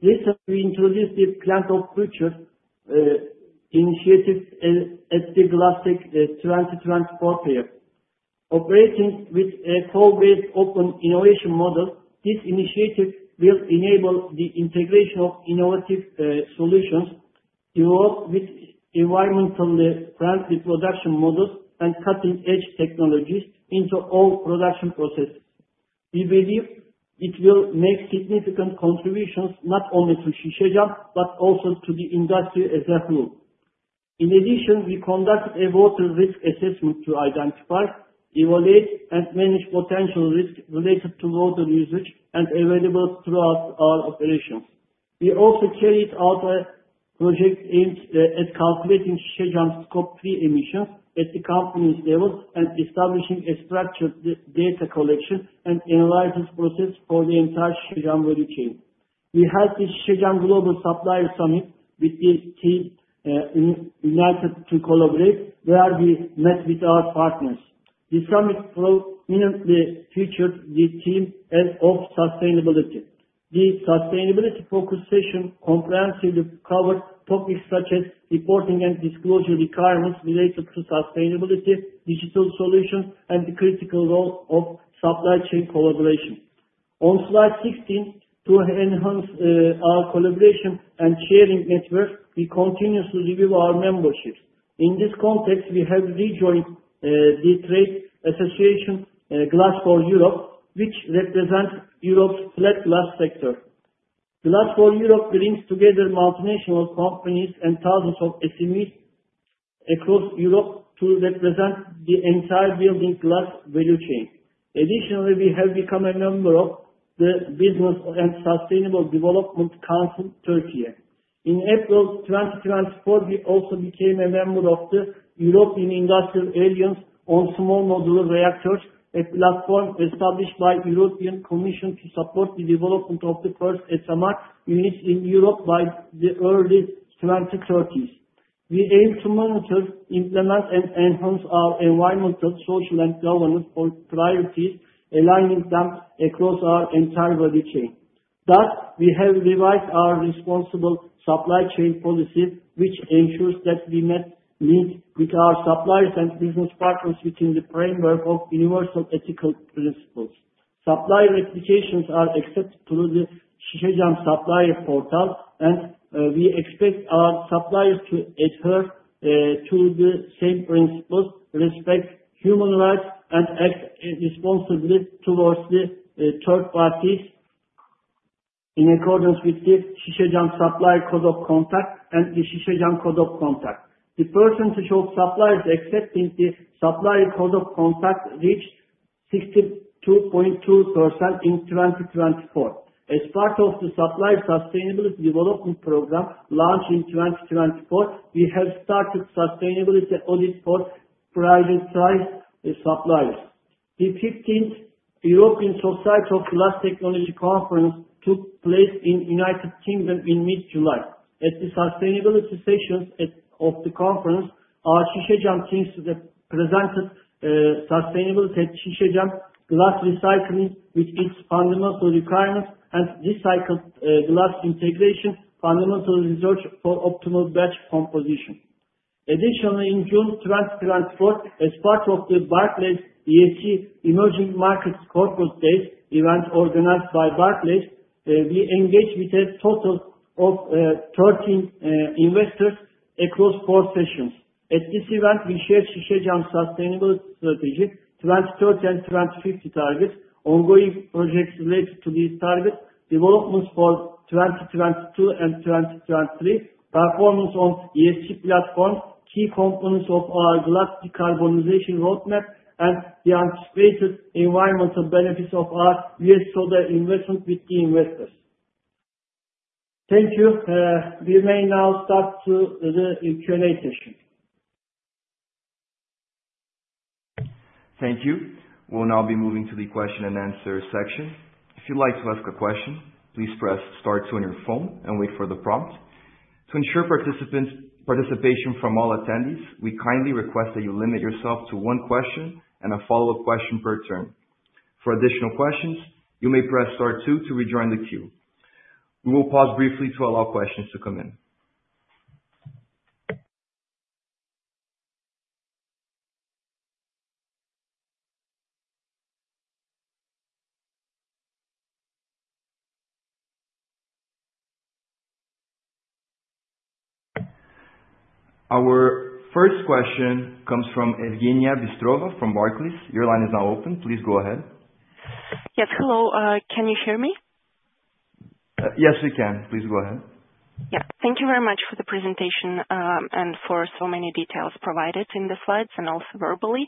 Recently, we introduced the Plant of the Future initiative at the Glasstec 2024 fair. Operating with a code-based open innovation model, this initiative will enable the integration of innovative solutions developed with environmentally friendly production models and cutting-edge technologies into all production processes. We believe it will make significant contributions not only to Şişecam but also to the industry as a whole. In addition, we conducted a water risk assessment to identify, evaluate, and manage potential risks related to water usage and available throughout our operations. We also carried out a project aimed at calculating Şişecam's scope 3 emissions at the company's level and establishing a structured data collection and analysis process for the entire Şişecam value chain. We held the Şişecam Global Supplier Summit with the team united to collaborate, where we met with our partners. The summit prominently featured the theme of sustainability. The sustainability focus session comprehensively covered topics such as reporting and disclosure requirements related to sustainability, digital solutions, and the critical role of supply chain collaboration. On slide 16, to enhance our collaboration and sharing networks, we continuously review our memberships. In this context, we have rejoined the trade association Glass for Europe, which represents Europe's flat glass sector. Glass for Europe brings together multinational companies and thousands of SMEs across Europe to represent the entire building glass value chain. Additionally, we have become a member of the Business Council for Sustainable Development Turkey. In April 2024, we also became a member of the European Industrial Alliance on Small Modular Reactors, a platform established by the European Commission to support the development of the first SMR units in Europe by the early 2030s. We aim to monitor, implement, and enhance our environmental, social, and governance priorities, aligning them across our entire value chain. Thus, we have revised our responsible supply chain policy, which ensures that we met with our suppliers and business partners within the framework of universal ethical principles. Supplier applications are accepted through the Şişecam Supplier Portal, and we expect our suppliers to adhere to the same principles, respect human rights, and act responsibly towards the third parties in accordance with the Şişecam Supplier Code of Conduct and the Şişecam Code of Conduct. The percentage of suppliers accepting the Supplier Code of Conduct reached 62.2% in 2024. As part of the Supplier Sustainability Development Program launched in 2024, we have started sustainability audits for prioritized suppliers. The 15th European Society of Glass Technology Conference took place in the United Kingdom in mid-July. At the sustainability sessions of the conference, our Şişecam teams presented sustainability at Şişecam Glass Recycling with its fundamental requirements and Recycled Glass Integration fundamental research for optimal batch composition. Additionally, in June 2024, as part of the Barclays ESG Emerging Markets Corporate Day event organized by Barclays, we engaged with a total of 13 investors across four sessions. At this event, we shared Şişecam Sustainability Strategy, 2030 and 2050 targets, ongoing projects related to these targets, developments for 2022 and 2023, performance on ESG platforms, key components of our glass decarbonization roadmap, and the anticipated environmental benefits of our US soda ash investment with the investors. Thank you. We may now start the Q&A session. Thank you. We'll now be moving to the question and answer section. If you'd like to ask a question, please press star 2 on your phone and wait for the prompt. To ensure participation from all attendees, we kindly request that you limit yourself to one question and a follow-up question per turn. For additional questions, you may press sSr 2 to rejoin the queue. We will pause briefly to allow questions to come in. Our first question comes from Evgeniya Bystrova from Barclays. Your line is now open. Please go ahead. Yes. Hello. Can you hear me? Yes, we can. Please go ahead. Yeah. Thank you very much for the presentation and for so many details provided in the slides and also verbally.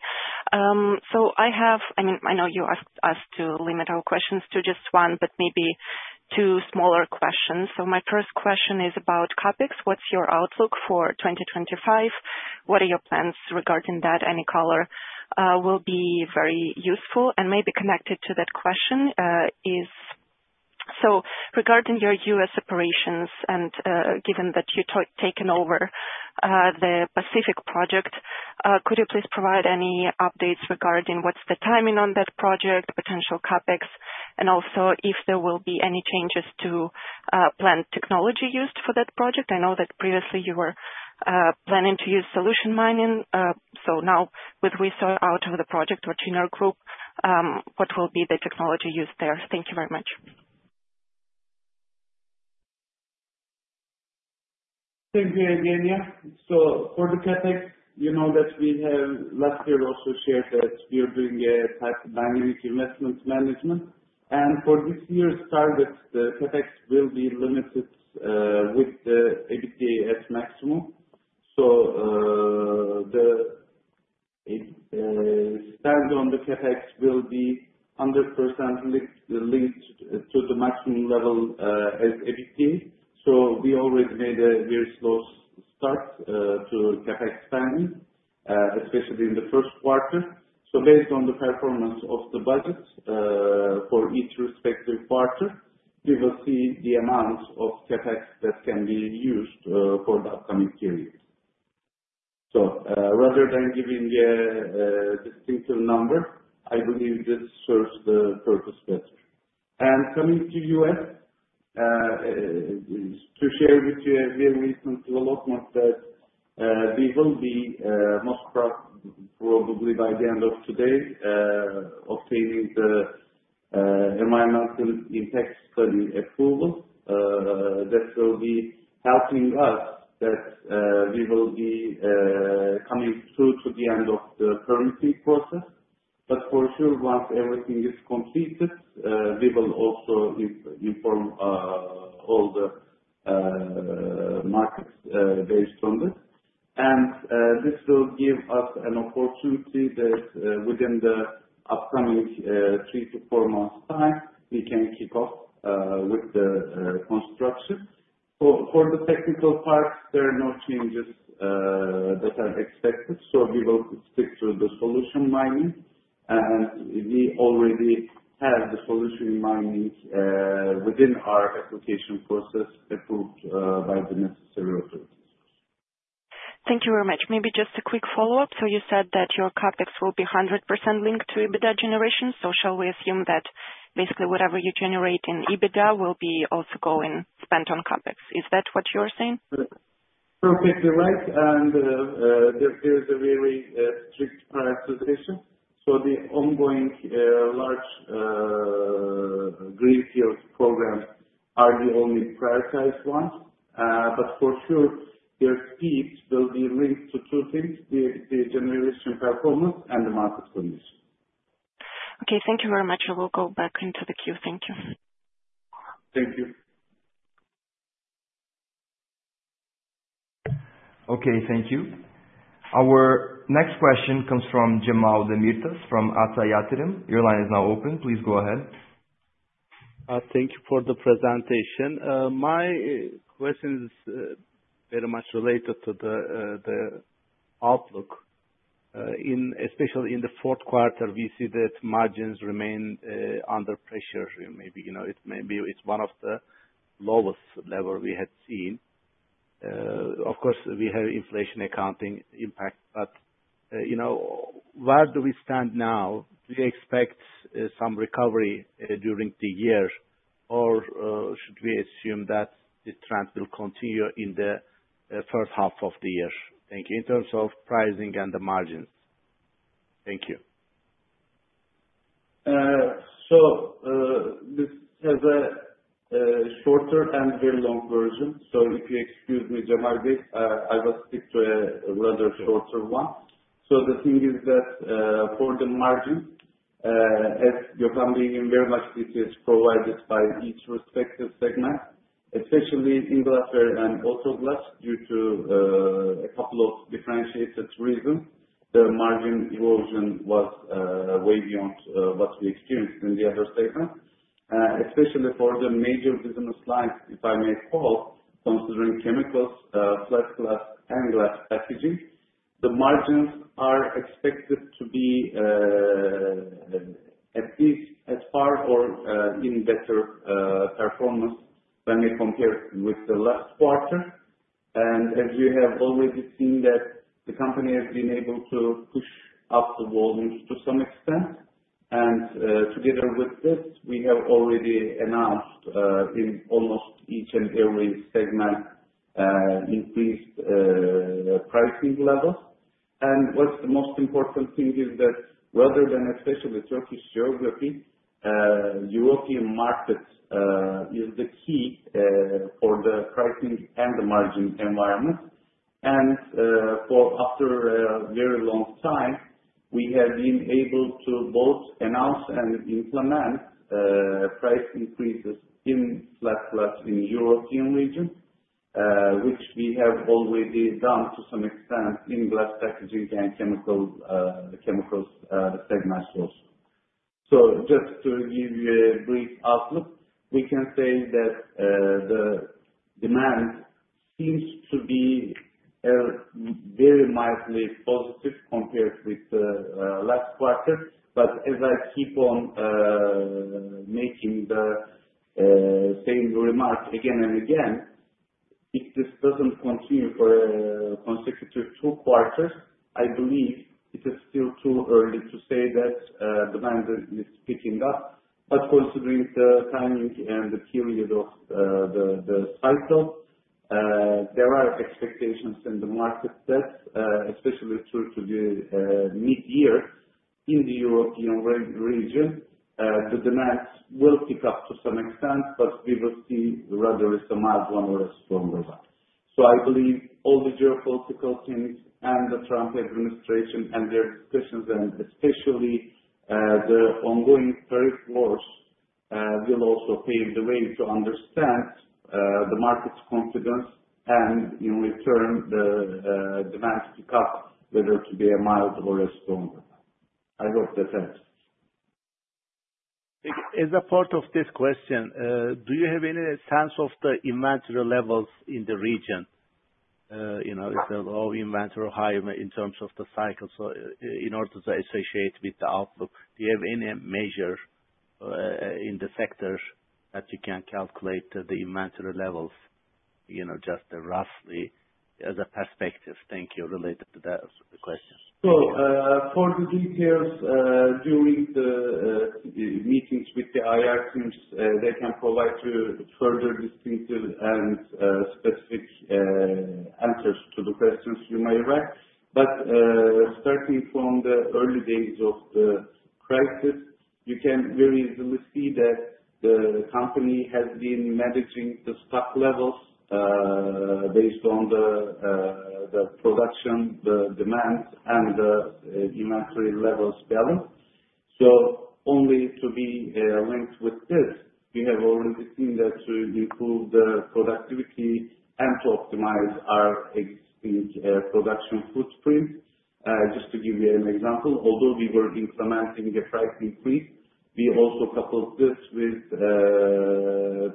So I have, I mean, I know you asked us to limit our questions to just one, but maybe two smaller questions. So my first question is about CapEx. What's your outlook for 2025? What are your plans regarding that? Any color will be very useful. And maybe connected to that question is, so regarding your U.S. operations and given that you've taken over the Pacific project, could you please provide any updates regarding what's the timing on that project, potential CapEx, and also if there will be any changes to plant technology used for that project? I know that previously you were planning to use solution mining. So now with the soda ash project, or Ciner Group, what will be the technology used there? Thank you very much. Thank you, Evgeniya. So for the CapEx, you know that we have last year also shared that we are doing a type of dynamic investment management. And for this year's targets, the CapEx will be limited with the EBITDA at maximum. So the standard on the CapEx will be 100% linked to the maximum level as EBITDA. So we already made a very slow start to CapEx spending, especially in the first quarter. So based on the performance of the budgets for each respective quarter, we will see the amount of CapEx that can be used for the upcoming period. So rather than giving a distinctive number, I believe this serves the purpose better. Coming to the U.S., to share with you a very recent development that we will be most probably by the end of today obtaining the environmental impact study approval that will be helping us, that we will be coming through to the end of the permitting process. For sure, once everything is completed, we will also inform all the markets based on this. This will give us an opportunity that within the upcoming three to four months' time, we can kick off with the construction. For the technical part, there are no changes that are expected. We will stick to the solution mining. We already have the solution mining within our application process approved by the necessary authorities. Thank you very much. Maybe just a quick follow-up. You said that your CapEx will be 100% linked to EBITDA generation. So shall we assume that basically whatever you generate in EBITDA will be also going spent on CapEx? Is that what you're saying? Perfectly right. And there is a very strict prioritization. So the ongoing large greenfield programs are the only prioritized ones. But for sure, their speed will be linked to two things: the generation performance and the market condition. Okay. Thank you very much. I will go back into the queue. Thank you. Thank you. Okay. Thank you. Our next question comes from Cemal Demirtaş from ATA Yatırım. Your line is now open. Please go ahead. Thank you for the presentation. My question is very much related to the outlook. Especially in the fourth quarter, we see that margins remain under pressure. Maybe it's one of the lowest levels we had seen. Of course, we have inflation accounting impact. But where do we stand now? Do we expect some recovery during the year, or should we assume that the trend will continue in the first half of the year? Thank you. In terms of pricing and the margins. Thank you. So this has a shorter and very long version. So if you excuse me, Demirtaş, I will stick to a rather shorter one. So the thing is that for the margins, as Gökhan Güralp very much stated, provided by each respective segment, especially in glassware and auto glass, due to a couple of differentiated reasons, the margin erosion was way beyond what we experienced in the other segments. Especially for the major business lines, if I may call, considering chemicals, flat glass, and glass packaging, the margins are expected to be at least as far or in better performance when we compare with the last quarter. As you have already seen that the company has been able to push up the volume to some extent. Together with this, we have already announced in almost each and every segment increased pricing levels. What's the most important thing is that rather than especially Turkish geography, European markets is the key for the pricing and the margin environment. After a very long time, we have been able to both announce and implement price increases in flat glass in the European region, which we have already done to some extent in glass packaging and chemicals segments also. Just to give you a brief outlook, we can say that the demand seems to be very mildly positive compared with the last quarter. But as I keep on making the same remark again and again, if this doesn't continue for consecutive two quarters, I believe it is still too early to say that demand is picking up. But considering the timing and the period of the cycle, there are expectations in the market that especially through to the mid-year in the European region, the demand will pick up to some extent, but we will see rather a mild one or a stronger one. So I believe all the geopolitical things and the Trump administration and their discussions, and especially the ongoing tariff wars, will also pave the way to understand the market's confidence and in return, the demand pick up, whether it will be a mild or a stronger. I hope that helps. As a part of this question, do you have any sense of the inventory levels in the region? Is it low inventory or high in terms of the cycle? So in order to associate with the outlook, do you have any measure in the sectors that you can calculate the inventory levels just roughly as a perspective? Thank you related to that question. So for the details during the meetings with the IR teams, they can provide you further distinctive and specific answers to the questions you may have. But starting from the early days of the crisis, you can very easily see that the company has been managing the stock levels based on the production, the demand, and the inventory levels balance. So only to be linked with this, we have already seen that to improve the productivity and to optimize our existing production footprint, just to give you an example. Although we were implementing a price increase, we also coupled this with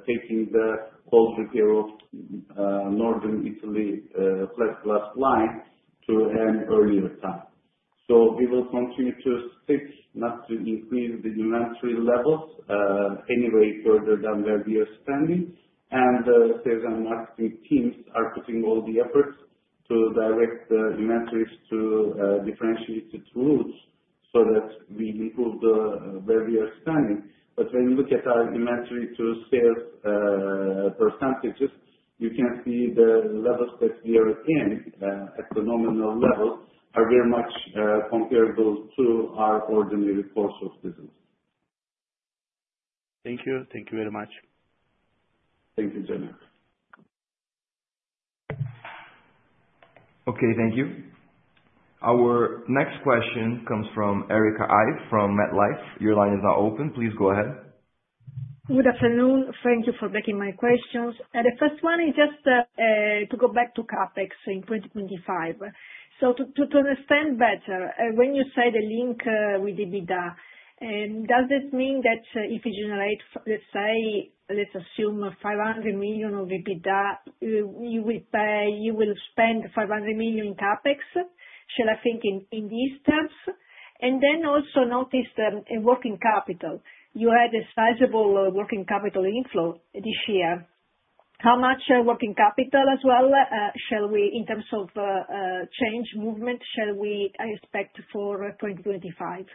taking the cold repair of Northern Italy flat glass line to an earlier time. So we will continue to stick not to increase the inventory levels anyway further than where we are standing. And the sales and marketing teams are putting all the efforts to direct the inventories to differentiated routes so that we improve where we are standing. But when you look at our inventory to sales percentages, you can see the levels that we are in at the nominal level are very much comparable to our ordinary course of business. Thank you. Thank you very much. Thank you, Cemal. Okay. Thank you. Our next question comes from Erica Ive from MetLife. Your line is now open. Please go ahead. Good afternoon. Thank you for taking my questions. The first one is just to go back to CapEx in 2025. So to understand better, when you say the link with EBITDA, does it mean that if you generate, let's say, let's assume 500 million of EBITDA, you will spend 500 million in CapEx? Shall I think in these terms? And then also notice the working capital. You had a sizable working capital inflow this year. How much working capital as well in terms of change movement shall we expect for 2025?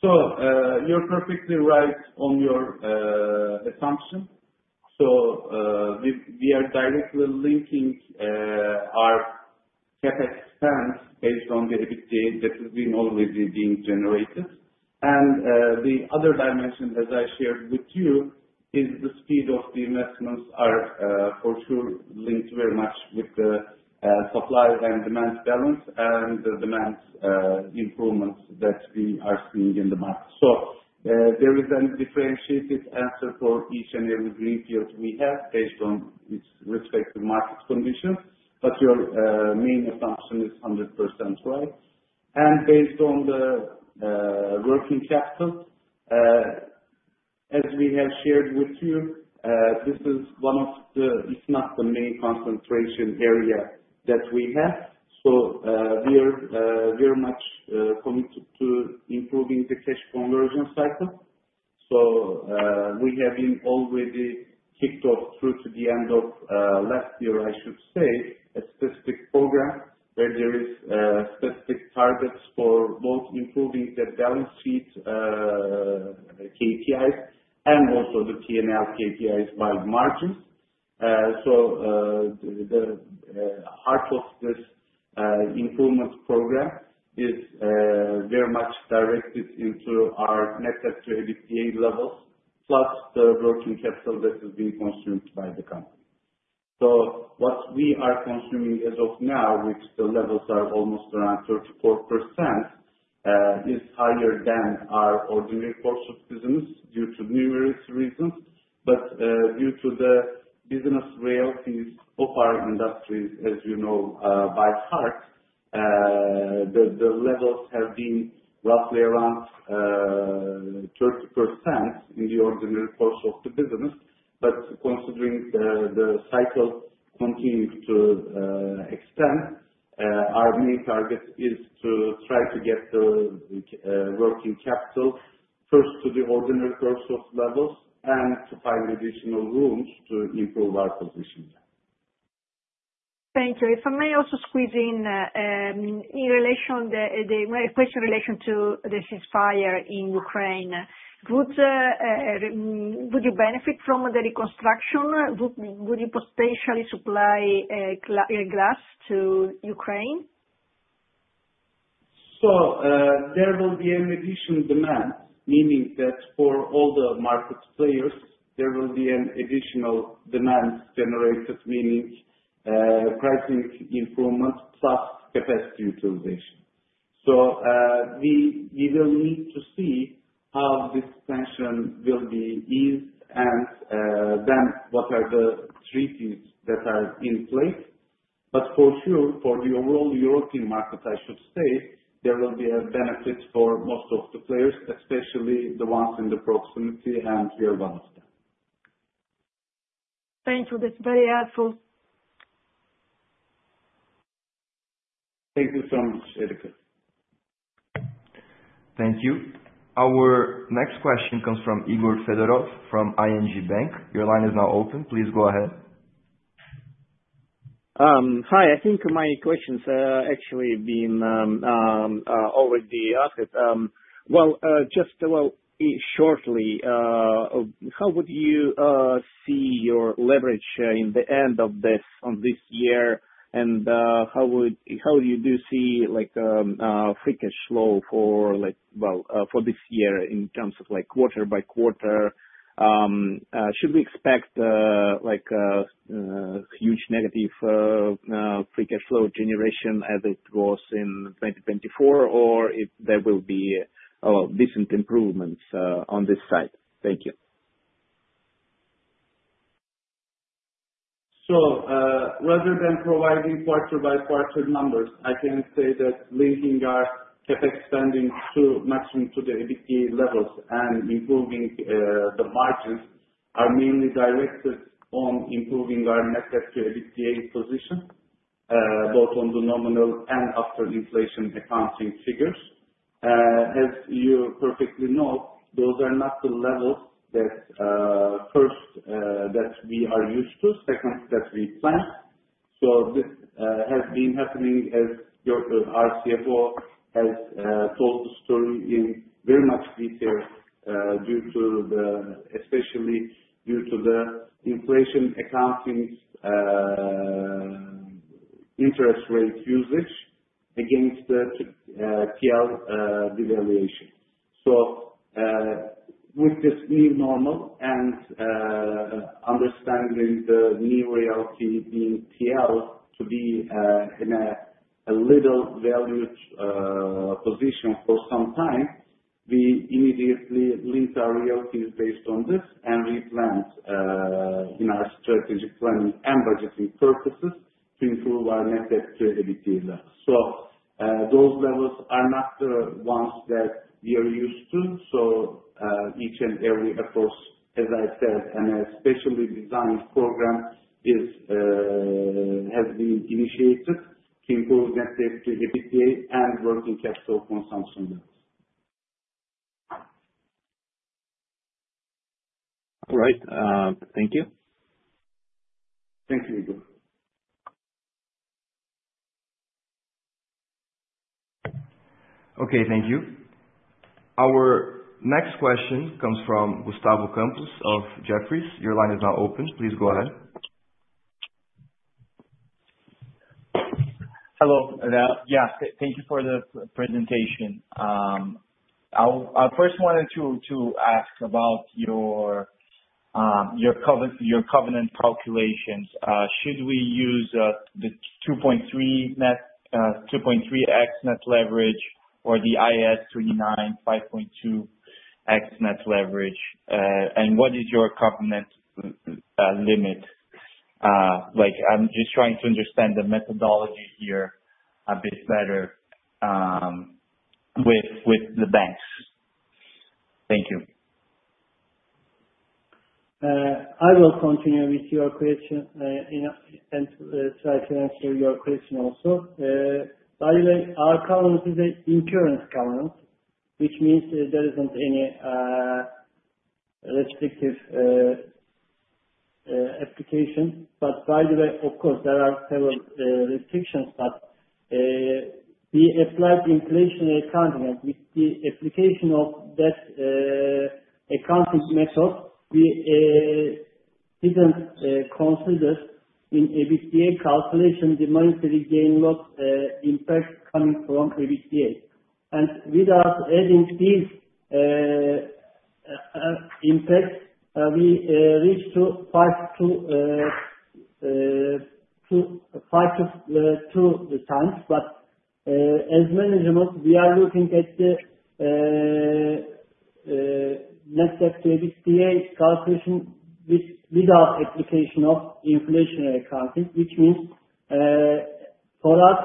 So you're perfectly right on your assumption. So we are directly linking our CapEx spend based on the EBITDA that has been already being generated. And the other dimension, as I shared with you, is the speed of the investments are for sure linked very much with the supply and demand balance and the demand improvements that we are seeing in the market. So there is a differentiated answer for each and every greenfield we have based on its respective market conditions. But your main assumption is 100% right. And based on the working capital, as we have shared with you, this is one of the, if not the main concentration area that we have. So we are very much committed to improving the cash conversion cycle. So we have been already kicked off through to the end of last year, I should say, a specific program where there are specific targets for both improving the balance sheet KPIs and also the P&L KPIs by margins. So the heart of this improvement program is very much directed into our net debt to EBITDA levels, plus the working capital that is being consumed by the company. So what we are consuming as of now, which the levels are almost around 34%, is higher than our ordinary course of business due to numerous reasons. But due to the business realities of our industries, as you know by heart, the levels have been roughly around 30% in the ordinary course of the business. But considering the cycle continues to extend, our main target is to try to get the working capital first to the ordinary course of levels and to find additional rooms to improve our position. Thank you. If I may also squeeze in, in relation to the question in relation to the ceasefire in Ukraine, would you benefit from the reconstruction? Would you potentially supply glass to Ukraine? So there will be an additional demand, meaning that for all the market players, there will be an additional demand generated, meaning pricing improvement plus capacity utilization. So we will need to see how this tension will be eased and then what are the treaties that are in place. But for sure, for the overall European market, I should say, there will be a benefit for most of the players, especially the ones in the proximity, and we are one of them. Thank you. That's very helpful. Thank you so much, Erica. Thank you. Our next question comes from Egor Fedorov from ING Bank. Your line is now open. Please go ahead. Hi. I think my questions have actually been already answered. Well, just shortly, how would you see your leverage in the end of this year? And how do you see free cash flow for this year in terms of quarter by quarter? Should we expect huge negative free cash flow generation as it was in 2024, or there will be decent improvements on this side? Thank you. So rather than providing quarter by quarter numbers, I can say that linking our CapEx spending to maximum to the EBITDA levels and improving the margins are mainly directed on improving our net debt to EBITDA position, both on the nominal and after inflation accounting figures. As you perfectly know, those are not the levels that first, that we are used to, second, that we planned. So this has been happening as our CFO has told the story in very much detail, especially due to the inflation accounting interest rate usage against the TL devaluation. So with this new normal and understanding the new reality being TL to be in an undervalued position for some time, we immediately link our realities based on this and we plan in our strategic planning and budgeting purposes to improve our net debt to EBITDA levels. So those levels are not the ones that we are used to. So each and every effort, as I said, and a specially designed program has been initiated to improve net debt to EBITDA and working capital consumption levels. All right. Thank you. Thank you, Egor. Okay. Thank you. Our next question comes from Gustavo Campos of Jefferies. Your line is now open. Please go ahead. Hello. Yeah. Thank you for the presentation. I first wanted to ask about your covenant calculations. Should we use the 2.3x net leverage or the IAS 29 5.2x net leverage? And what is your covenant limit? I'm just trying to understand the methodology here a bit better with the banks. Thank you. I will continue with your question and try to answer your question also. By the way, our covenant is an incurrence covenant, which means there isn't any restrictive application. But by the way, of course, there are several restrictions. But the applied inflation accounting and with the application of that accounting method, we didn't consider in EBITDA calculation the monetary gain loss impact coming from EBITDA. And without adding these impacts, we reached 5.2 times. But as management, we are looking at the net debt to EBITDA calculation without application of inflationary accounting, which means for us,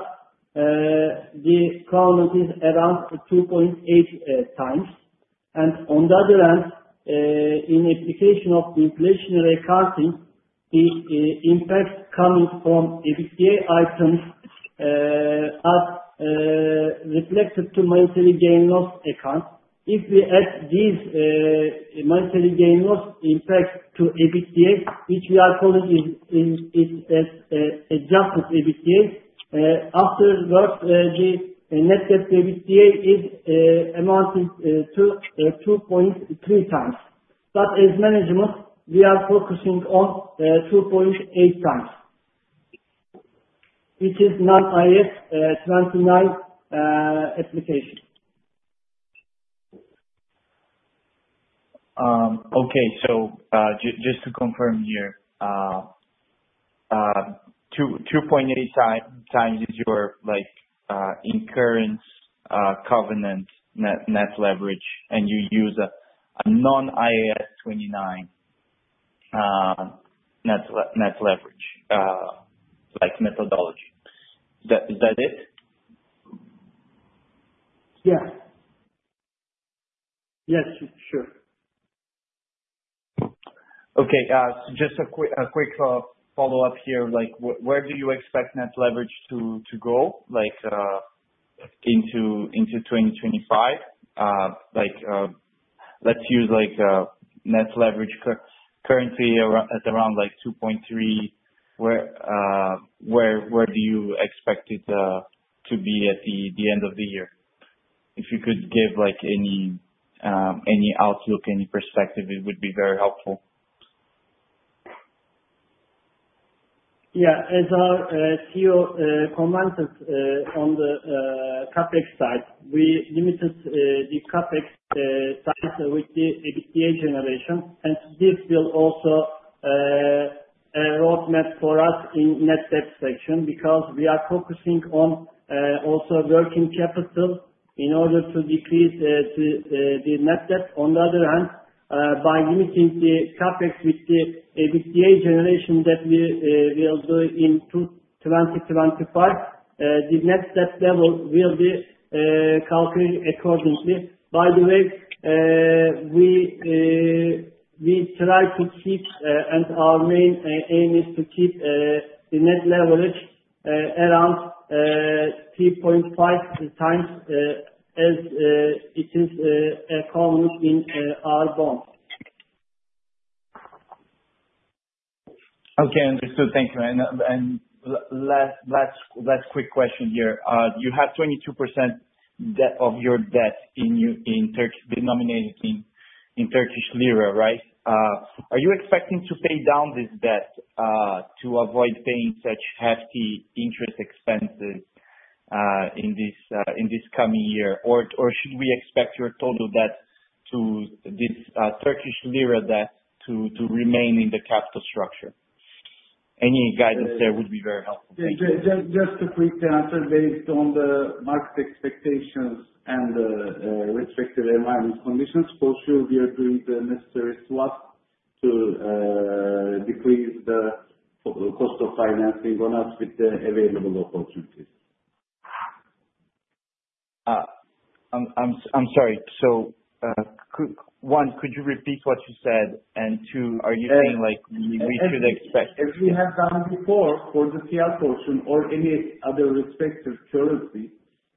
the covenant is around 2.8 times. And on the other hand, in application of inflationary accounting, the impact coming from EBITDA items are reflected to monetary gain loss account. If we add these monetary gain loss impact to EBITDA, which we are calling adjusted EBITDA, afterwards, the net debt to EBITDA amounted to 2.3 times. But as management, we are focusing on 2.8 times, which is non-IAS 29 application. Okay. So just to confirm here, 2.8 times is your incurrence covenant net leverage, and you use a non-IAS 29 net leverage methodology. Is that it? Yeah. Yes. Sure. Okay. Just a quick follow-up here. Where do you expect net leverage to go into 2025? Let's use net leverage currently at around 2.3. Where do you expect it to be at the end of the year? If you could give any outlook, any perspective, it would be very helpful. Yeah. As your comment on the CapEx side, we limited the CapEx side with the EBITDA generation. And this will also roadmap for us in net debt section because we are focusing on also working capital in order to decrease the net debt. On the other hand, by limiting the CapEx with the EBITDA generation that we will do in 2025, the net debt level will be calculated accordingly. By the way, we try to keep, and our main aim is to keep the net leverage around 3.5 times as it is accomplished in our bonds. Okay. Understood. Thank you. And last quick question here. You have 22% of your debt denominated in Turkish Lira, right? Are you expecting to pay down this debt to avoid paying such hefty interest expenses in this coming year? Or should we expect your total debt to this Turkish Lira debt to remain in the capital structure? Any guidance there would be very helpful. Thank you. Just to quickly answer, based on the market expectations and the respective environment conditions, for sure, we are doing the necessary swap to decrease the cost of financing on us with the available opportunities. I'm sorry. So one, could you repeat what you said? And two, are you saying we should expect? As we have done before for the TL portion or any other respective currency,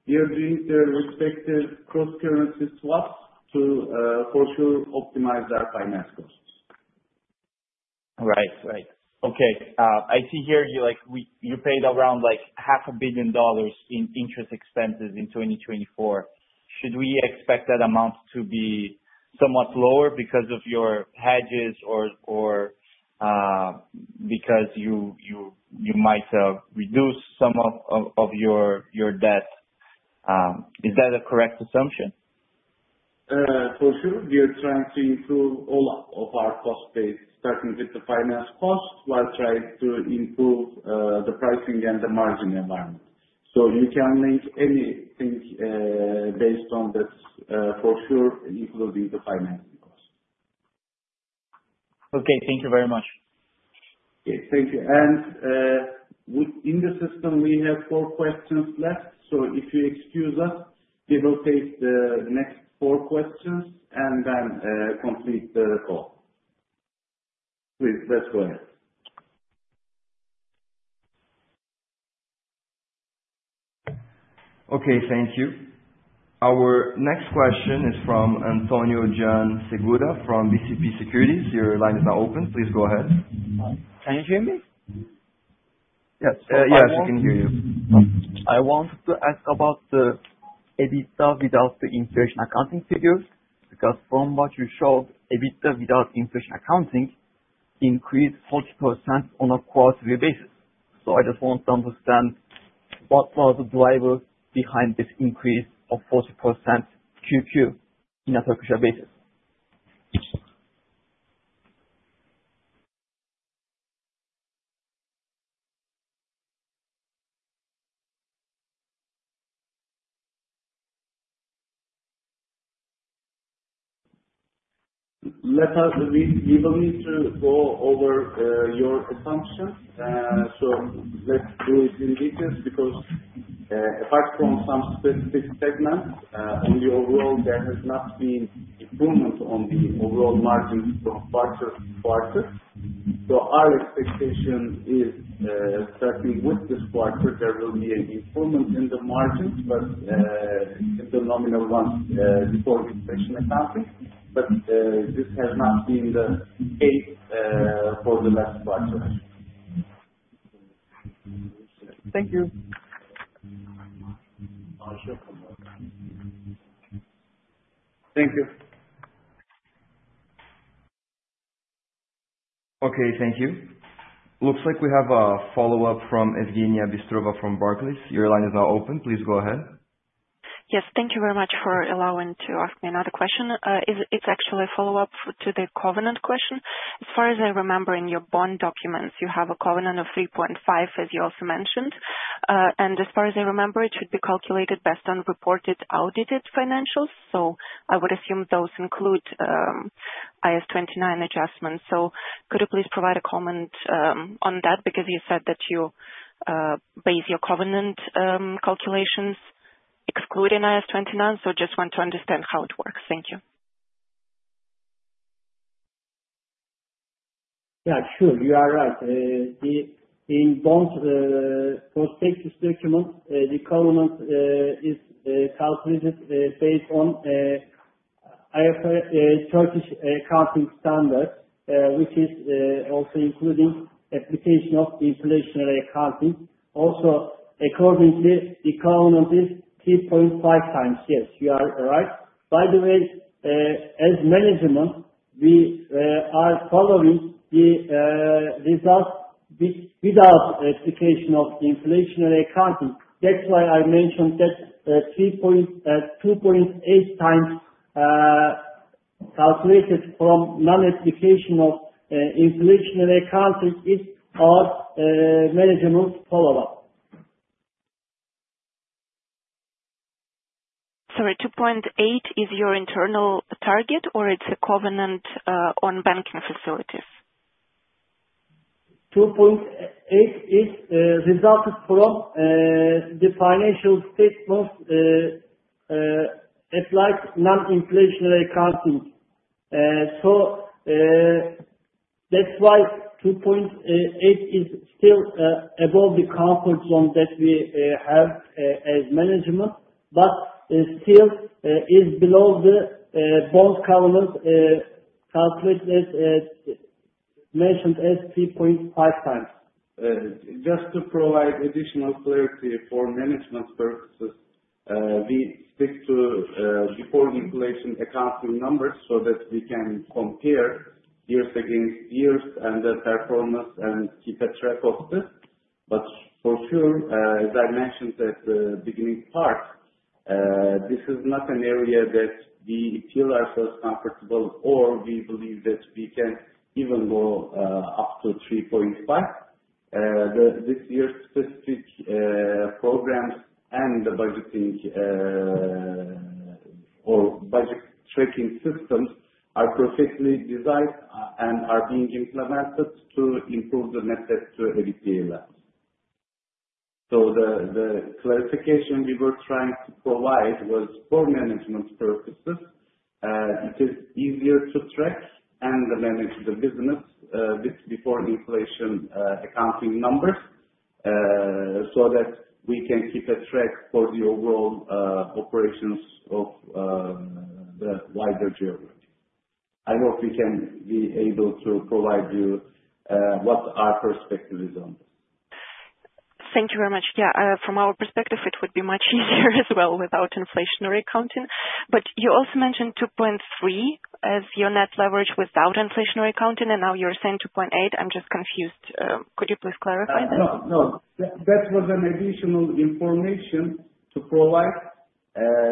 we are doing the respective cross-currency swaps to for sure optimize our finance costs. Right. Right. Okay. I see here you paid around $500 million in interest expenses in 2024. Should we expect that amount to be somewhat lower because of your hedges or because you might reduce some of your debt? Is that a correct assumption? For sure, we are trying to improve all of our cost base, starting with the finance cost while trying to improve the pricing and the margin environment. So you can link anything based on this for sure, including the financing cost. Okay. Thank you very much. Okay. Thank you. And in the system, we have four questions left. If you excuse us, we will take the next four questions and then complete the call. Please, let's go ahead. Okay. Thank you. Our next question is from Antonio Jan Segura from BCP Securities. Your line is now open. Please go ahead. Can you hear me? Yes. Yes. We can hear you. I wanted to ask about the EBITDA without the inflation accounting figures because from what you showed, EBITDA without inflation accounting increased 40% on a quarterly basis. So I just want to understand what was the driver behind this increase of 40% QoQ in a currency basis. We will need to go over your assumptions. So let's do it in detail because apart from some specific segments, on the overall, there has not been improvement on the overall margins from quarter-to-quarter. So our expectation is starting with this quarter, there will be an improvement in the margins but in the nominal ones before inflation accounting. But this has not been the case for the last quarter. Thank you. Thank you. Okay. Thank you. Looks like we have a follow-up from Evgeniya Bystrova from Barclays. Your line is now open. Please go ahead. Yes. Thank you very much for allowing me to ask me another question. It's actually a follow-up to the covenant question. As far as I remember, in your bond documents, you have a covenant of 3.5, as you also mentioned. And as far as I remember, it should be calculated based on reported audited financials. So I would assume those include IAS 29 adjustments. So could you please provide a comment on that because you said that you base your covenant calculations excluding IAS 29? So I just want to understand how it works. Thank you. Yeah. Sure. You are right. In both prospectus documents, the covenant is calculated based on Turkish accounting standards, which is also including application of inflationary accounting. Also, accordingly, the covenant is 3.5 times. Yes. You are right. By the way, as management, we are following the results without application of inflationary accounting. That's why I mentioned that 2.8 times calculated from non-application of inflationary accounting is our management follow-up. Sorry. 2.8 is your internal target, or it's a covenant on banking facilities? 2.8 is resulted from the financial statements applied non-inflationary accounting. So that's why 2.8 is still above the comfort zone that we have as management, but still is below the bond covenant calculated as mentioned as 3.5 times. Just to provide additional clarity for management purposes, we stick to before inflation accounting numbers so that we can compare years against years and the performance and keep a track of this. But for sure, as I mentioned at the beginning part, this is not an area that we feel ourselves comfortable or we believe that we can even go up to 3.5. This year's specific programs and the budgeting or budget tracking systems are perfectly designed and are being implemented to improve the net debt to EBITDA level. So the clarification we were trying to provide was for management purposes, it is easier to track and manage the business before inflation accounting numbers so that we can keep a track for the overall operations of the wider geography. I hope we can be able to provide you what our perspective is on this. Thank you very much. Yeah. From our perspective, it would be much easier as well without inflationary accounting. But you also mentioned 2.3 as your net leverage without inflationary accounting, and now you're saying 2.8. I'm just confused. Could you please clarify that? No. No. That was an additional information to provide.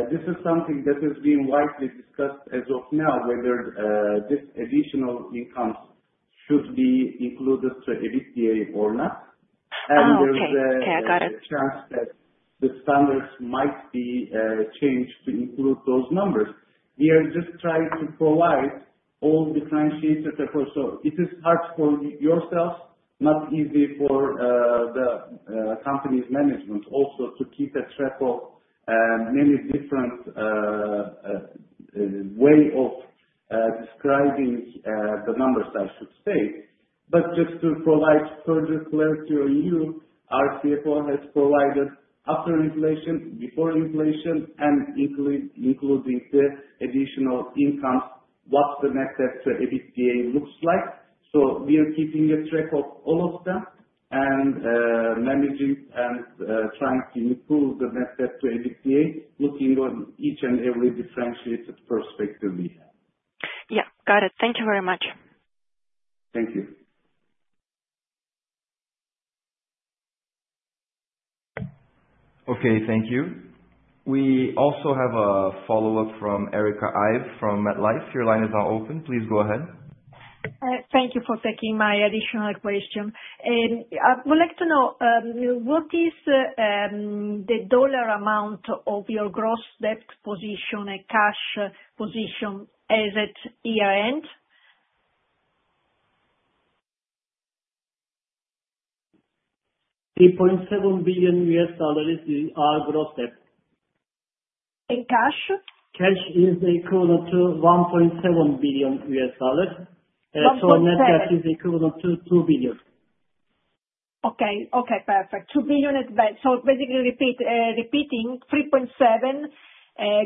This is something that is being widely discussed as of now, whether this additional income should be included to EBITDA or not. And there's a chance that the standards might be changed to include those numbers. We are just trying to provide all differentiated reports. So it is hard for yourselves, not easy for the company's management also to keep a track of many different ways of describing the numbers, I should say. But just to provide further clarity on you, our CFO has provided after inflation, before inflation, and including the additional incomes, what the net debt to EBITDA looks like. So we are keeping a track of all of them and managing and trying to improve the net debt to EBITDA, looking on each and every differentiated perspective we have. Yeah. Got it. Thank you very much. Thank you. Okay. Thank you. We also have a follow-up from Erica Ive from MetLife. Your line is now open. Please go ahead. Thank you for taking my additional question. I would like to know what is the dollar amount of your gross debt position and cash position as of year-end? $3.7 billion is our gross debt. In cash? Cash is equivalent to $1.7 billion. So net debt is equivalent to $2 billion. Okay. Okay. Perfect. $2 billion is better. So basically repeating $3.7 billion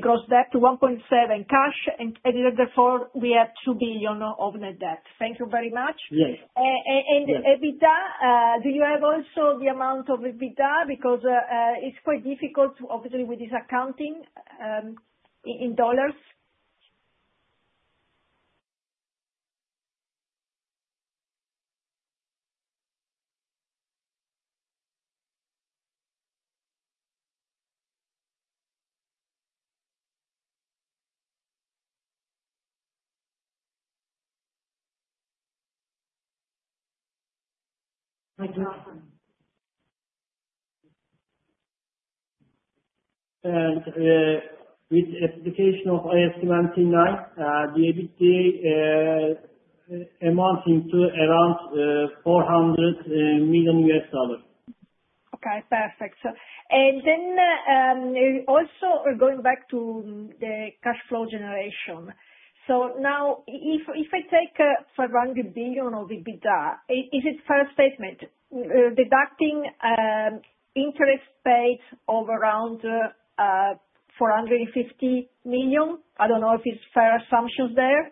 gross debt to $1.7 billion cash, and as you said, therefore, we have $2 billion of net debt. Thank you very much. And EBITDA, do you have also the amount of EBITDA? Because it's quite difficult, obviously, with this accounting in dollars. And with application of IAS 29, the EBITDA amounting to around $400 million. Okay. Perfect. And then also going back to the cash flow generation. So now if I take 500 billion of EBITDA, is it fair statement? Deducting interest paid of around 450 million, I don't know if it's fair assumptions there,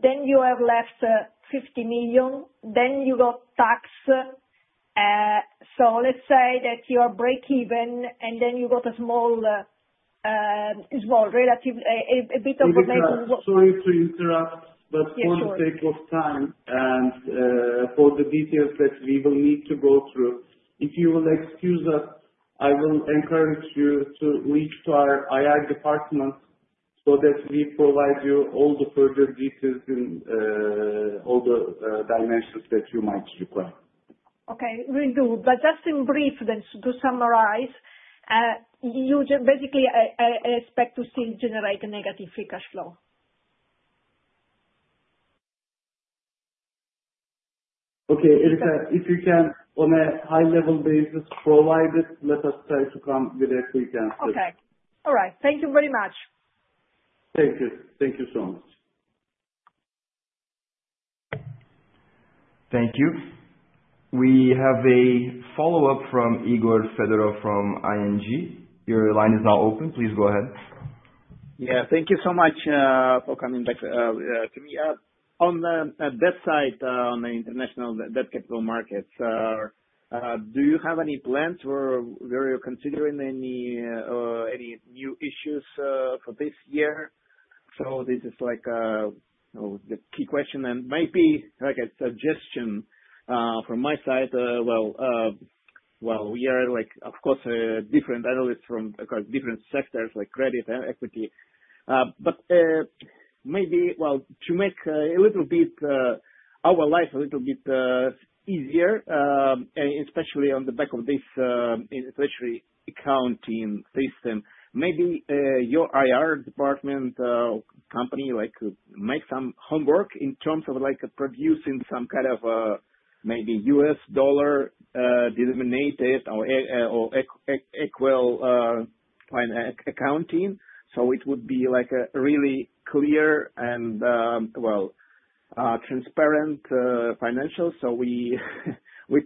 then you have left 50 million, then you got tax. So let's say that you are breakeven, and then you got a small, relatively a bit of. Sorry to interrupt, but for the sake of time and for the details that we will need to go through, if you will excuse us, I will encourage you to reach to our IR department so that we provide you all the further details in all the dimensions that you might require. Okay. We'll do. But just in brief, then, to summarize, you basically expect to still generate a negative free cash flow. Okay. Erica, if you can on a high-level basis provide it, let us try to come with a quick answer. Okay. All right. Thank you very much. Thank you. Thank you so much. Thank you. We have a follow-up from Egor Fedorov from ING. Your line is now open. Please go ahead. Yeah. Thank you so much for coming back to me. On the debt side on the international debt capital markets, do you have any plans or are you considering any new issues for this year? So this is the key question and maybe a suggestion from my side. Well, we are, of course, different analysts from different sectors like credit and equity. But maybe, well, to make a little bit our life a little bit easier, especially on the back of this inflationary accounting system, maybe your IR department company make some homework in terms of producing some kind of maybe US dollar denominated or equal accounting, so it would be a really clear and, well, transparent financial, so we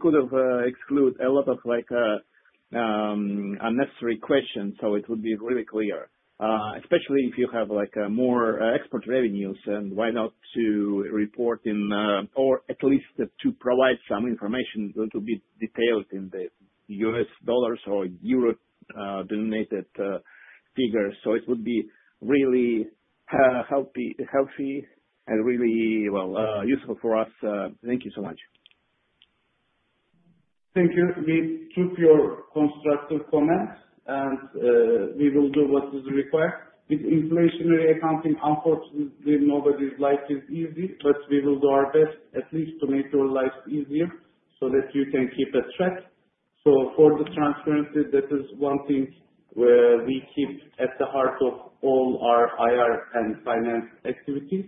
could have excluded a lot of unnecessary questions, so it would be really clear, especially if you have more export revenues, and why not to report in or at least to provide some information a little bit detailed in the U.S. dollars or euro denominated figures, so it would be really healthy and really, well, useful for us. Thank you so much. Thank you. We took your constructive comments, and we will do what is required. With inflationary accounting, unfortunately, nobody's life is easy, but we will do our best at least to make your life easier so that you can keep track. So for the transparency, that is one thing we keep at the heart of all our IR and finance activities.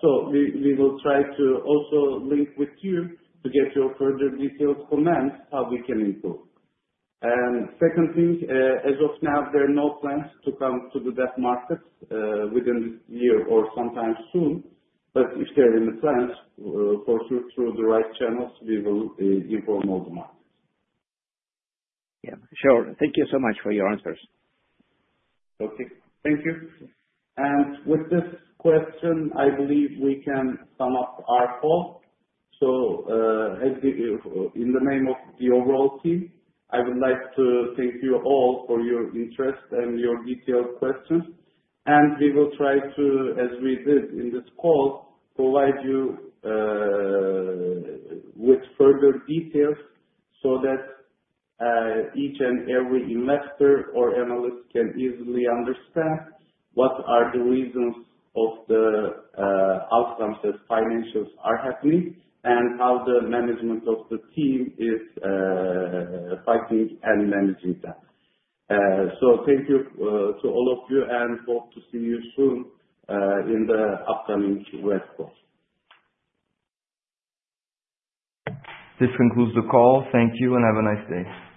So we will try to also link with you to get your further detailed comments how we can improve. And second thing, as of now, there are no plans to come to the debt market within this year or sometime soon. But if there are any plans, for sure, through the right channels, we will inform all the markets. Yeah. Sure. Thank you so much for your answers. Okay. Thank you. And with this question, I believe we can sum up our call. In the name of the overall team, I would like to thank you all for your interest and your detailed questions. And we will try to, as we did in this call, provide you with further details so that each and every investor or analyst can easily understand what are the reasons of the outcomes that financials are happening and how the management of the team is fighting and managing that. So thank you to all of you, and hope to see you soon in the upcoming web call. This concludes the call. Thank you, and have a nice day.